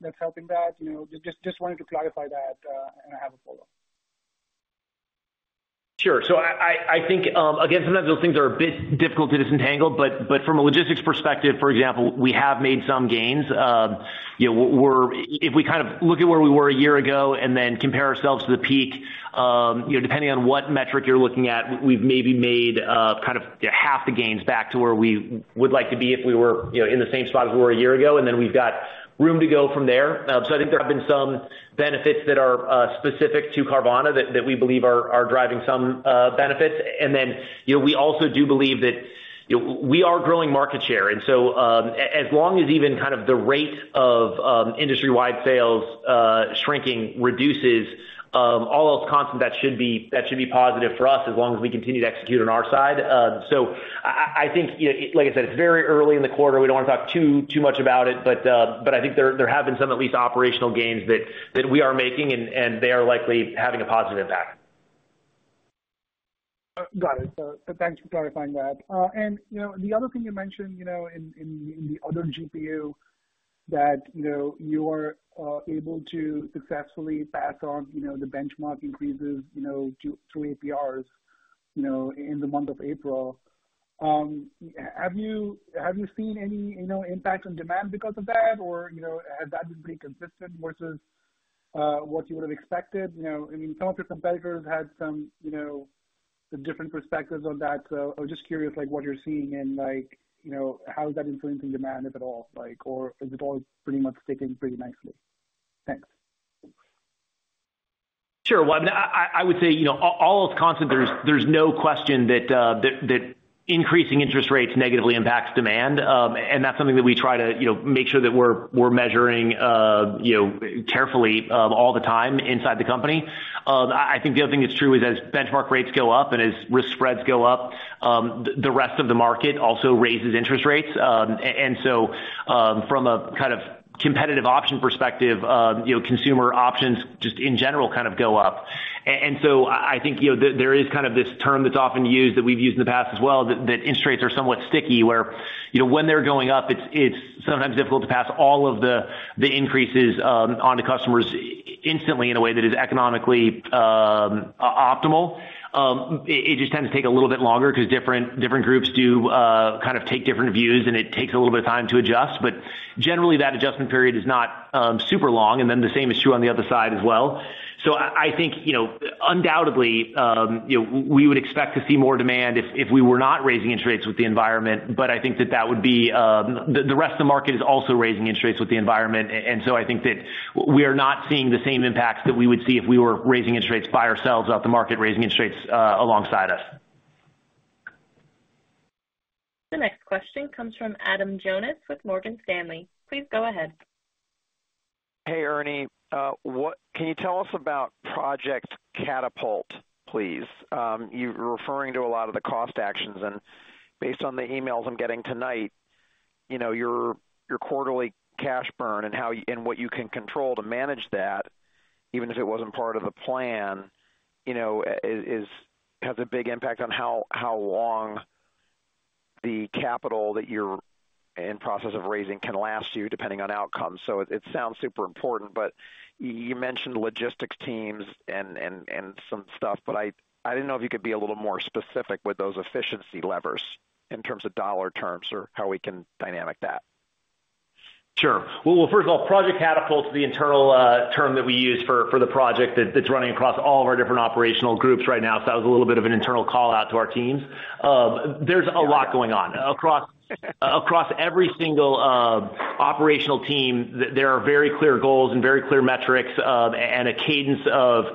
that's helping that? You know, just wanted to clarify that, and I have a follow-up. Sure. I think, again, sometimes those things are a bit difficult to disentangle, but from a logistics perspective, for example, we have made some gains. You know, if we kind of look at where we were a year ago and then compare ourselves to the peak, you know, depending on what metric you're looking at, we've maybe made kind of half the gains back to where we would like to be if we were, you know, in the same spot as we were a year ago, and then we've got room to go from there. I think there have been some benefits that are specific to Carvana that we believe are driving some benefits. Then, you know, we also do believe that, you know, we are growing market share. As long as even kind of the rate of industry-wide sales shrinking reduces, all else constant, that should be positive for us as long as we continue to execute on our side. I think, you know, like I said, it's very early in the quarter. We don't want to talk too much about it. I think there have been some at least operational gains that we are making and they are likely having a positive impact. Got it. Thanks for clarifying that. You know, the other thing you mentioned, you know, in the other GPU that, you know, you are able to successfully pass on, you know, the benchmark increases, you know, through APRs, you know, in the month of April. Have you seen any, you know, impact on demand because of that? Or, you know, has that been pretty consistent versus what you would have expected, you know? I mean, some of your competitors had some different perspectives on that. I was just curious, like, what you're seeing and like, you know, how is that influencing demand, if at all, like, or has it all pretty much taken pretty nicely? Thanks. Sure. Well, I mean, I would say, you know, all else constant, there's no question that that increasing interest rates negatively impacts demand. That's something that we try to, you know, make sure that we're measuring, you know, carefully all the time inside the company. I think the other thing that's true is as benchmark rates go up and as risk spreads go up, the rest of the market also raises interest rates. From a kind of competitive option perspective, you know, consumer options just in general kind of go up. I think, you know, there is kind of this term that's often used, that we've used in the past as well, that interest rates are somewhat sticky, where, you know, when they're going up, it's sometimes difficult to pass all of the increases on to customers instantly in a way that is economically optimal. It just tends to take a little bit longer 'cause different groups do kind of take different views, and it takes a little bit of time to adjust. But generally, that adjustment period is not super long. Then the same is true on the other side as well. I think, you know, undoubtedly, you know, we would expect to see more demand if we were not raising interest rates with the environment. The rest of the market is also raising interest rates in the environment. I think that we are not seeing the same impacts that we would see if we were raising interest rates by ourselves without the market raising interest rates alongside us. The next question comes from Adam Jonas with Morgan Stanley. Please go ahead. Hey, Ernie. What can you tell us about Project Catapult, please? You're referring to a lot of the cost actions, and based on the emails I'm getting tonight, you know, your quarterly cash burn and what you can control to manage that, even if it wasn't part of the plan, you know, it has a big impact on how long the capital that you're in process of raising can last you, depending on outcomes. It sounds super important, but you mentioned logistics teams and some stuff, but I didn't know if you could be a little more specific with those efficiency levers in terms of dollar terms or how we can model that. Sure. Well, first of all, Project Catapult is the internal term that we use for the project that's running across all of our different operational groups right now. That was a little bit of an internal call-out to our teams. There's a lot going on. Across every single operational team, there are very clear goals and very clear metrics, and a cadence of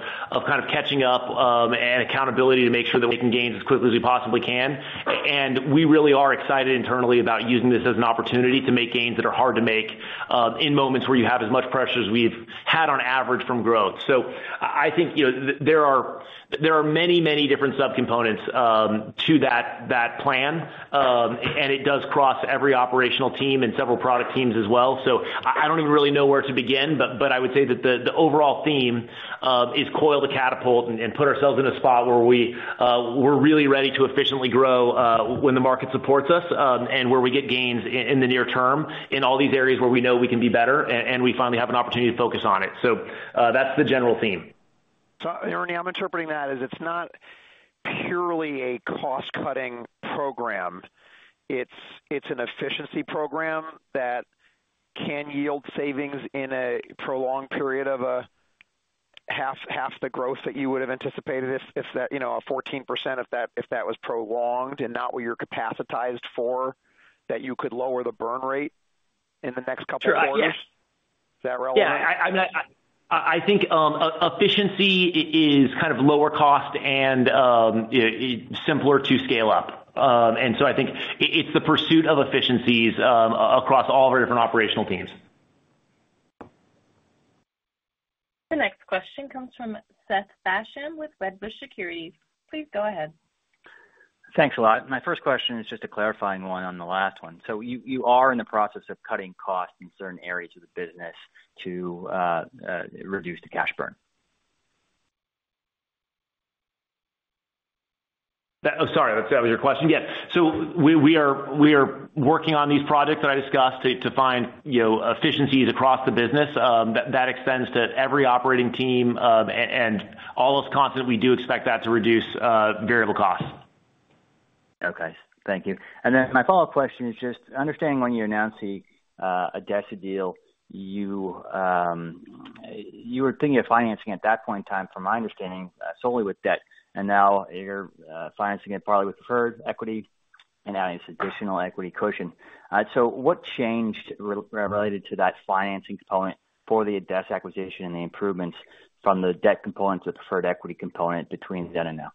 kind of catching up, and accountability to make sure that we can gain as quickly as we possibly can. We really are excited internally about using this as an opportunity to make gains that are hard to make in moments where you have as much pressure as we've had on average from growth. I think, you know, there are many different subcomponents to that plan. It does cross every operational team and several product teams as well. I don't even really know where to begin, but I would say that the overall theme is Project Catapult and put ourselves in a spot where we're really ready to efficiently grow, when the market supports us, and where we get gains in the near term in all these areas where we know we can be better and we finally have an opportunity to focus on it. That's the general theme. Ernie, I'm interpreting that as it's not purely a cost-cutting program. It's an efficiency program that can yield savings in a prolonged period of half the growth that you would have anticipated if that, you know, a 14% if that was prolonged and not what you're capitalized for, that you could lower the burn rate in the next couple quarters. Sure. Yeah. Is that relevant? Yeah. I mean, I think efficiency is kind of lower cost and simpler to scale up. I think it's the pursuit of efficiencies across all of our different operational teams. The next question comes from Seth Basham with Wedbush Securities. Please go ahead. Thanks a lot. My first question is just a clarifying one on the last one. You are in the process of cutting costs in certain areas of the business to reduce the cash burn. I thought that was your question. Yeah. We are working on these projects that I discussed to find, you know, efficiencies across the business. That extends to every operating team. All else constant, we do expect that to reduce variable costs. Okay. Thank you. My follow-up question is just understanding when you announced the ADESA deal, you were thinking of financing at that point in time, from my understanding, solely with debt, and now you're financing it partly with preferred equity and adding some additional equity cushion. What changed related to that financing component for the ADESA acquisition and the improvements from the debt component to the preferred equity component between then and now?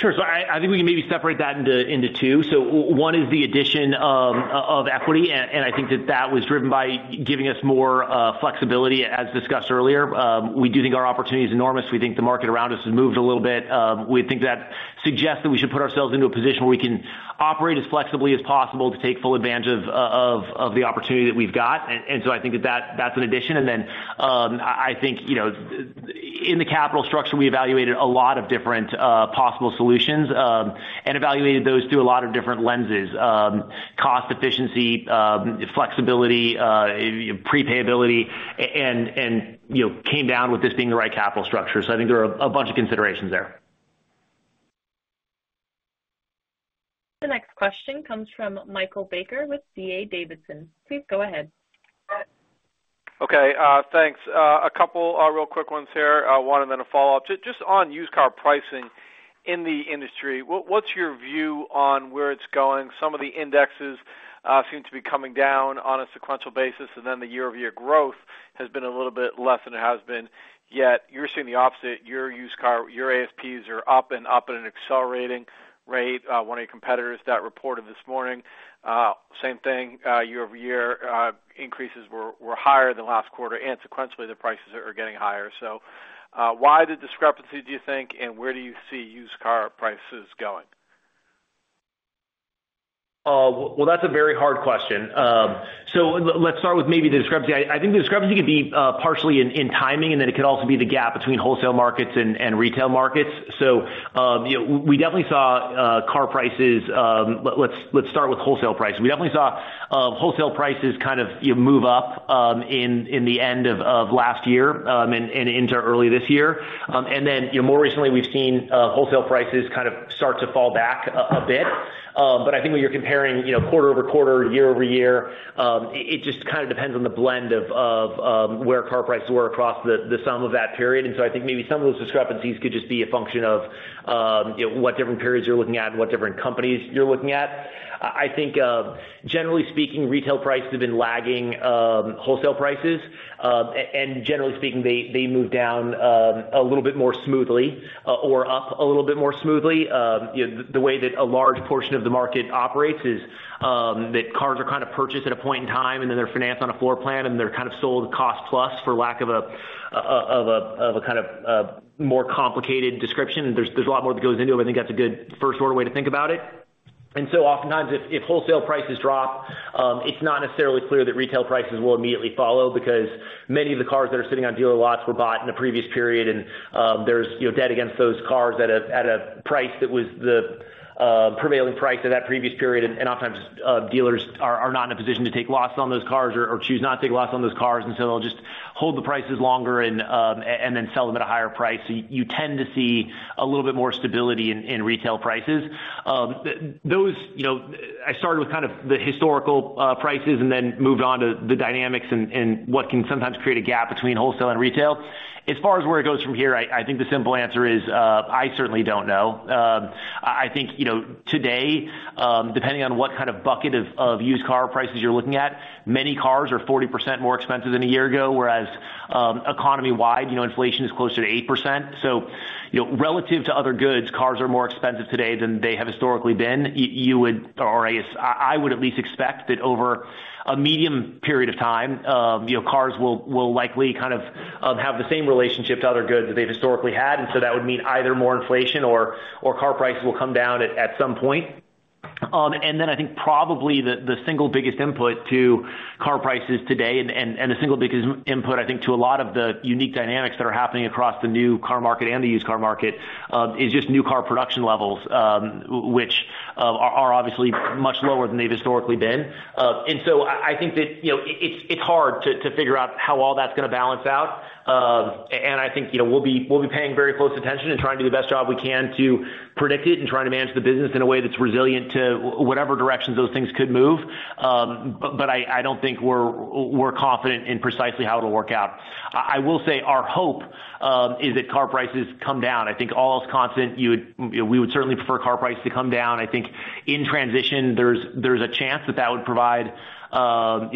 Sure. I think we can maybe separate that into two. One is the addition of equity and I think that was driven by giving us more flexibility, as discussed earlier. We do think our opportunity is enormous. We think the market around us has moved a little bit. We think that suggests that we should put ourselves into a position where we can operate as flexibly as possible to take full advantage of the opportunity that we've got. I think that's an addition. In the capital structure, we evaluated a lot of different possible solutions and evaluated those through a lot of different lenses, cost efficiency, flexibility, prepayability, and came down with this being the right capital structure. I think there are a bunch of considerations there. The next question comes from Michael Baker with D.A. Davidson. Please go ahead. Okay, thanks. A couple real quick ones here, one and then a follow-up. Just on used car pricing in the industry, what's your view on where it's going? Some of the indexes seem to be coming down on a sequential basis, and then the year-over-year growth has been a little bit less than it has been. Yet you're seeing the opposite. Your used car, your ASPs are up and up at an accelerating rate. One of your competitors that reported this morning, same thing, year-over-year increases were higher than last quarter, and sequentially, the prices are getting higher. Why the discrepancy, do you think, and where do you see used car prices going? Well, that's a very hard question. Let's start with maybe the discrepancy. I think the discrepancy could be partially in timing, and then it could also be the gap between wholesale markets and retail markets. Let's start with wholesale prices. We definitely saw wholesale prices kind of, you know, move up in the end of last year and into early this year. You know, more recently, we've seen wholesale prices kind of start to fall back a bit. I think when you're comparing, you know, quarter-over-quarter, year-over-year, it just kind of depends on the blend of where car prices were across the sum of that period. I think maybe some of those discrepancies could just be a function of, you know, what different periods you're looking at and what different companies you're looking at. I think, generally speaking, retail prices have been lagging, wholesale prices, and generally speaking, they move down, a little bit more smoothly or up a little bit more smoothly. You know, the way that a large portion of the market operates is, that cars are kind of purchased at a point in time, and then they're financed on a floor plan, and they're kind of sold cost plus for lack of a, of a kind of a more complicated description. There's a lot more that goes into it, but I think that's a good first order way to think about it. Oftentimes if wholesale prices drop, it's not necessarily clear that retail prices will immediately follow because many of the cars that are sitting on dealer lots were bought in the previous period. There's, you know, debt against those cars at a price that was the prevailing price of that previous period. Oftentimes, dealers are not in a position to take loss on those cars or choose not to take loss on those cars, and so they'll just hold the prices longer and then sell them at a higher price. You tend to see a little bit more stability in retail prices. I started with kind of the historical prices and then moved on to the dynamics and what can sometimes create a gap between wholesale and retail. As far as where it goes from here, I think the simple answer is, I certainly don't know. I think, you know, today, depending on what kind of bucket of used car prices you're looking at, many cars are 40% more expensive than a year ago, whereas, economy-wide, you know, inflation is closer to 8%. You know, relative to other goods, cars are more expensive today than they have historically been. You would or I guess I would at least expect that over a medium period of time, you know, cars will likely kind of have the same relationship to other goods that they've historically had. That would mean either more inflation or car prices will come down at some point. I think probably the single biggest input to car prices today and the single biggest input, I think, to a lot of the unique dynamics that are happening across the new car market and the used car market is just new car production levels, which are obviously much lower than they've historically been. I think that, you know, it's hard to figure out how all that's gonna balance out. I think, you know, we'll be paying very close attention and trying to do the best job we can to predict it and trying to manage the business in a way that's resilient to whatever directions those things could move. I don't think we're confident in precisely how it'll work out. I will say our hope is that car prices come down. I think all else constant, you know, we would certainly prefer car prices to come down. I think in transition, there's a chance that would provide you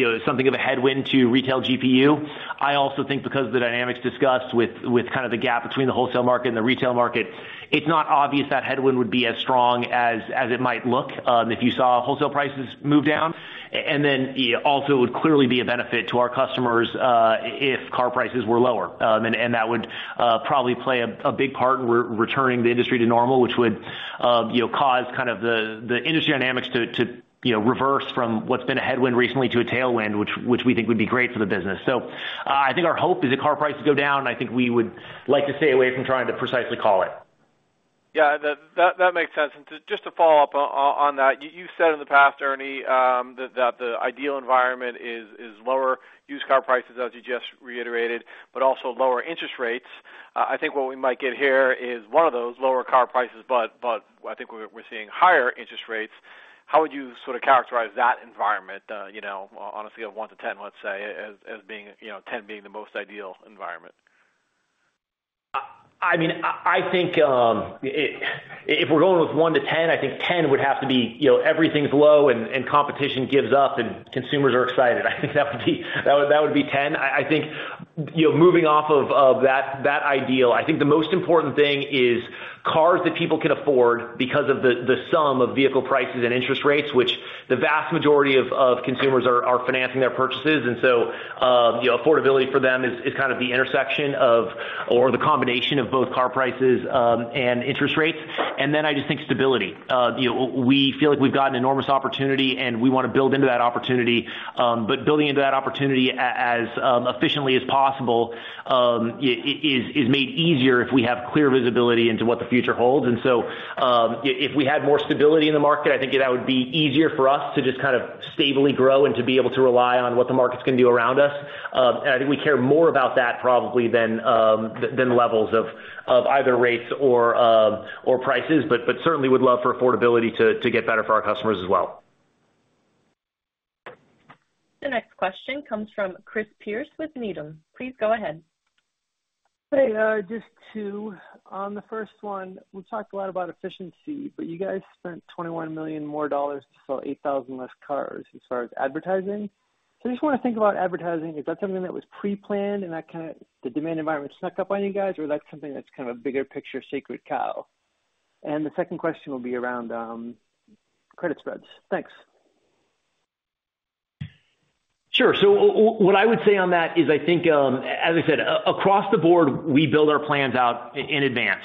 know, something of a headwind to Retail GPU. I also think because of the dynamics discussed with kind of the gap between the wholesale market and the retail market, it's not obvious that headwind would be as strong as it might look if you saw wholesale prices move down. Then also it would clearly be a benefit to our customers if car prices were lower. That would probably play a big part in returning the industry to normal, which would, you know, cause kind of the industry dynamics to, you know, reverse from what's been a headwind recently to a tailwind, which we think would be great for the business. I think our hope is that car prices go down. I think we would like to stay away from trying to precisely call it. Yeah. That makes sense. To just follow-up on that, you said in the past, Ernie, that the ideal environment is lower used car prices, as you just reiterated, but also lower interest rates. I think what we might get here is one of those lower car prices, but I think we're seeing higher interest rates. How would you sort of characterize that environment, you know, on a scale of one to 10, let's say, as being, you know, 10 being the most ideal environment? I mean, I think if we're going with one to 10, I think 10 would have to be, you know, everything's low and competition gives up and consumers are excited. I think that would be 10. I think you know, moving off of that ideal, I think the most important thing is cars that people can afford because of the sum of vehicle prices and interest rates, which the vast majority of consumers are financing their purchases. You know, affordability for them is kind of the intersection of, or the combination of both car prices and interest rates. I just think stability. You know, we feel like we've got an enormous opportunity, and we wanna build into that opportunity. Building into that opportunity as efficiently as possible is made easier if we have clear visibility into what the future holds. If we had more stability in the market, I think that would be easier for us to just kind of stably grow and to be able to rely on what the market's gonna do around us. I think we care more about that probably than the levels of either rates or prices. Certainly would love for affordability to get better for our customers as well. The next question comes from Chris Pierce with Needham. Please go ahead. Hey, just two. On the first one, we talked a lot about efficiency, but you guys spent $21 million more to sell 8,000 less cars as far as advertising. I just wanna think about advertising. Is that something that was pre-planned and that kind of the demand environment snuck up on you guys or that's something that's kind of a bigger picture sacred cow? The second question will be around credit spreads. Thanks. Sure. What I would say on that is I think, as I said, across the board, we build our plans out in advance.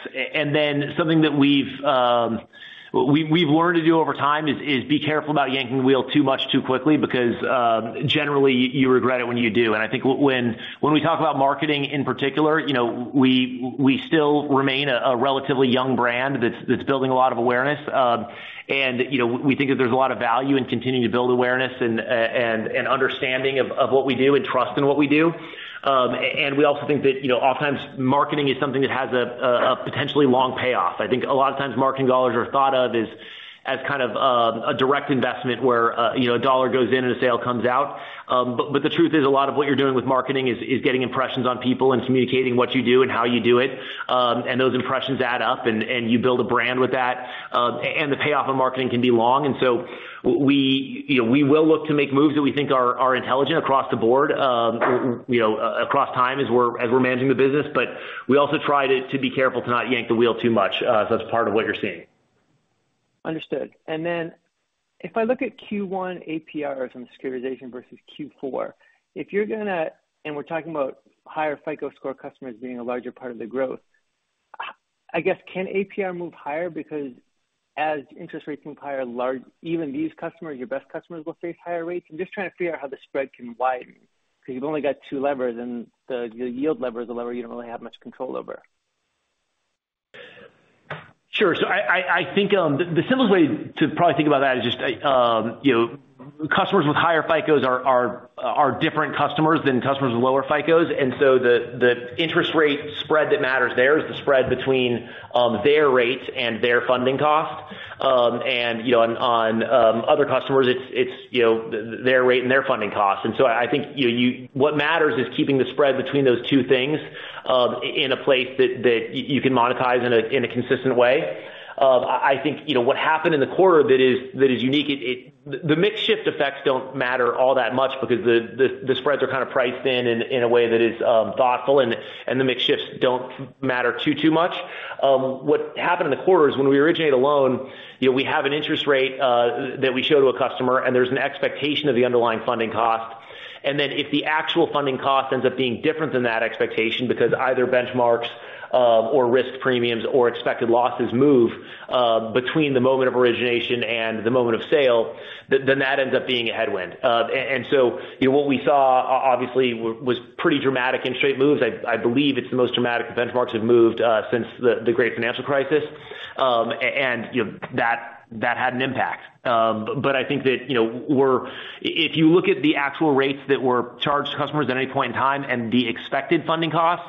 Something that we've learned to do over time is be careful about yanking the wheel too much too quickly because generally you regret it when you do. I think when we talk about marketing in particular, you know, we still remain a relatively young brand that's building a lot of awareness. You know, we think that there's a lot of value in continuing to build awareness and understanding of what we do and trust in what we do. We also think that, you know, oftentimes marketing is something that has a potentially long payoff. I think a lot of times marketing dollars are thought of as kind of a direct investment where, you know, a dollar goes in and a sale comes out. The truth is, a lot of what you're doing with marketing is getting impressions on people and communicating what you do and how you do it. Those impressions add up and you build a brand with that. The payoff of marketing can be long. We, you know, we will look to make moves that we think are intelligent across the board, you know, across time as we're managing the business. We also try to be careful to not yank the wheel too much. That's part of what you're seeing. Understood. Then if I look at Q1 APRs on the securitization versus Q4. We're talking about higher FICO score customers being a larger part of the growth. I guess, can APR move higher because as interest rates move higher, even these customers, your best customers, will face higher rates? I'm just trying to figure out how the spread can widen because you've only got two levers and the yield lever is a lever you don't really have much control over. Sure. I think the simplest way to probably think about that is just you know, customers with higher FICOs are different customers than customers with lower FICOs. The interest rate spread that matters there is the spread between their rates and their funding cost. You know, on other customers, it's you know, their rate and their funding cost. I think what matters is keeping the spread between those two things in a place that you can monetize in a consistent way. I think you know, what happened in the quarter that is unique, it. The mix shift effects don't matter all that much because the spreads are kind of priced in in a way that is thoughtful and the mix shifts don't matter too much. What happened in the quarter is when we originate a loan, you know, we have an interest rate that we show to a customer, and there's an expectation of the underlying funding cost. If the actual funding cost ends up being different than that expectation because either benchmarks or risk premiums or expected losses move between the moment of origination and the moment of sale, then that ends up being a headwind. You know, what we saw obviously was pretty dramatic in rate moves. I believe it's the most dramatic the benchmarks have moved since the Great Financial Crisis. You know, that had an impact. I think that if you look at the actual rates that were charged to customers at any point in time and the expected funding costs,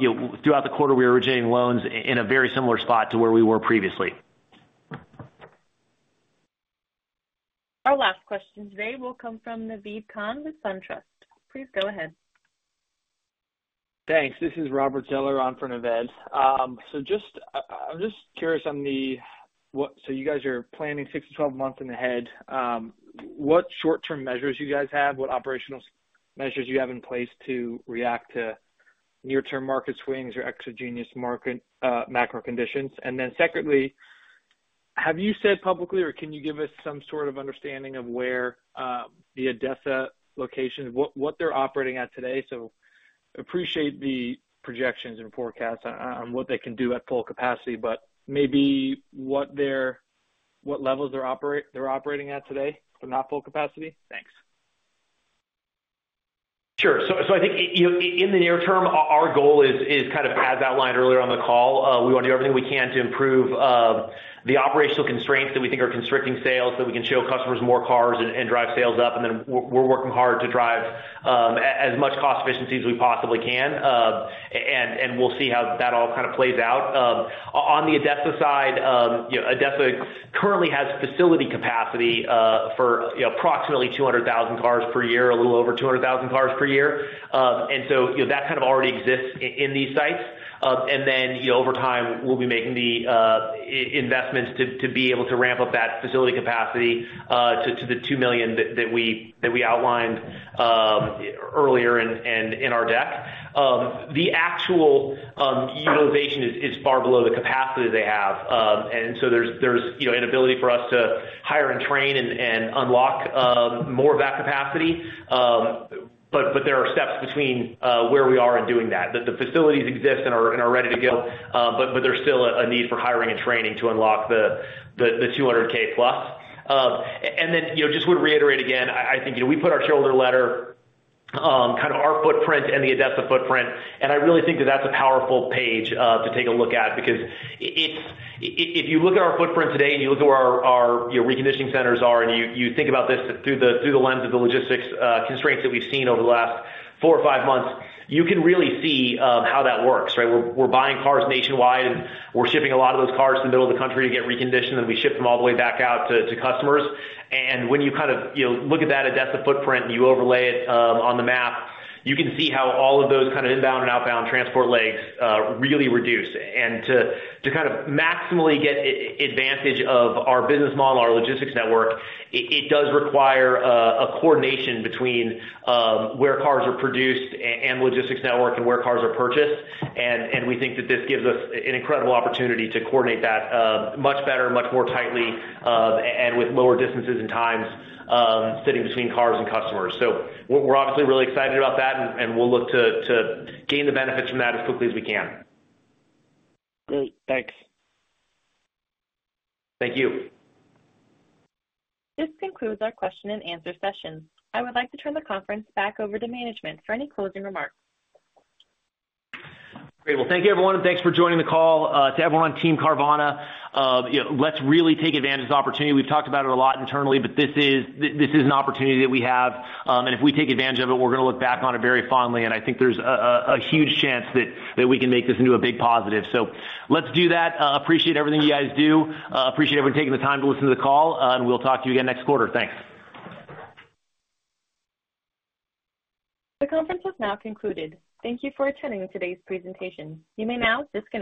you know, throughout the quarter, we were originating loans in a very similar spot to where we were previously. Our last question today will come from Naved Khan with Truist. Please go ahead. Thanks. This is Robert Zeller on for Naved. I'm just curious. You guys are planning six to 12 months ahead. What short-term measures you guys have? What operational measures you have in place to react to near-term market swings or exogenous market macro conditions? Secondly, have you said publicly, or can you give us some sort of understanding of where the ADESA location is, what they're operating at today? I appreciate the projections and forecasts on what they can do at full capacity, but maybe what levels they're operating at today, if they're not full capacity. Thanks. Sure. I think in the near term, our goal is kind of as outlined earlier on the call. We want to do everything we can to improve the operational constraints that we think are constricting sales so we can show customers more cars and drive sales up. We're working hard to drive as much cost efficiency as we possibly can. We'll see how that all kind of plays out. On the ADESA side, you know, ADESA currently has facility capacity for, you know, approximately 200,000 cars per year, a little over 200,000 cars per year. You know, that kind of already exists in these sites. You know, over time, we'll be making the investments to be able to ramp up that facility capacity to the 2 million that we outlined earlier in our deck. The actual utilization is far below the capacity they have. You know, there's an ability for us to hire and train and unlock more of that capacity. There are steps between where we are in doing that. The facilities exist and are ready to go, but there's still a need for hiring and training to unlock the 200,000+. I would just reiterate again. I think, you know, we put our shareholder letter kind of our footprint and the ADESA footprint, and I really think that that's a powerful page to take a look at because if you look at our footprint today, and you look at where our reconditioning centers are, and you think about this through the lens of the logistics constraints that we've seen over the last four or five months, you can really see how that works, right? We're buying cars nationwide, and we're shipping a lot of those cars to the middle of the country to get reconditioned, and we ship them all the way back out to customers. When you kind of, you know, look at that ADESA footprint, and you overlay it on the map, you can see how all of those kind of inbound and outbound transport legs really reduce. To kind of maximally get advantage of our business model, our logistics network, it does require a coordination between where cars are produced and logistics network and where cars are purchased. We think that this gives us an incredible opportunity to coordinate that much better, much more tightly and with lower distances and times sitting between cars and customers. We're obviously really excited about that, and we'll look to gain the benefits from that as quickly as we can. Great. Thanks. Thank you. This concludes our question-and-answer session. I would like to turn the conference back over to management for any closing remarks. Great. Well, thank you, everyone, and thanks for joining the call. To everyone on Team Carvana, you know, let's really take advantage of the opportunity. We've talked about it a lot internally, but this is an opportunity that we have, and if we take advantage of it, we're gonna look back on it very fondly. I think there's a huge chance that we can make this into a big positive. Let's do that. Appreciate everything you guys do. Appreciate everyone taking the time to listen to the call, and we'll talk to you again next quarter. Thanks. The conference has now concluded. Thank you for attending today's presentation. You may now disconnect.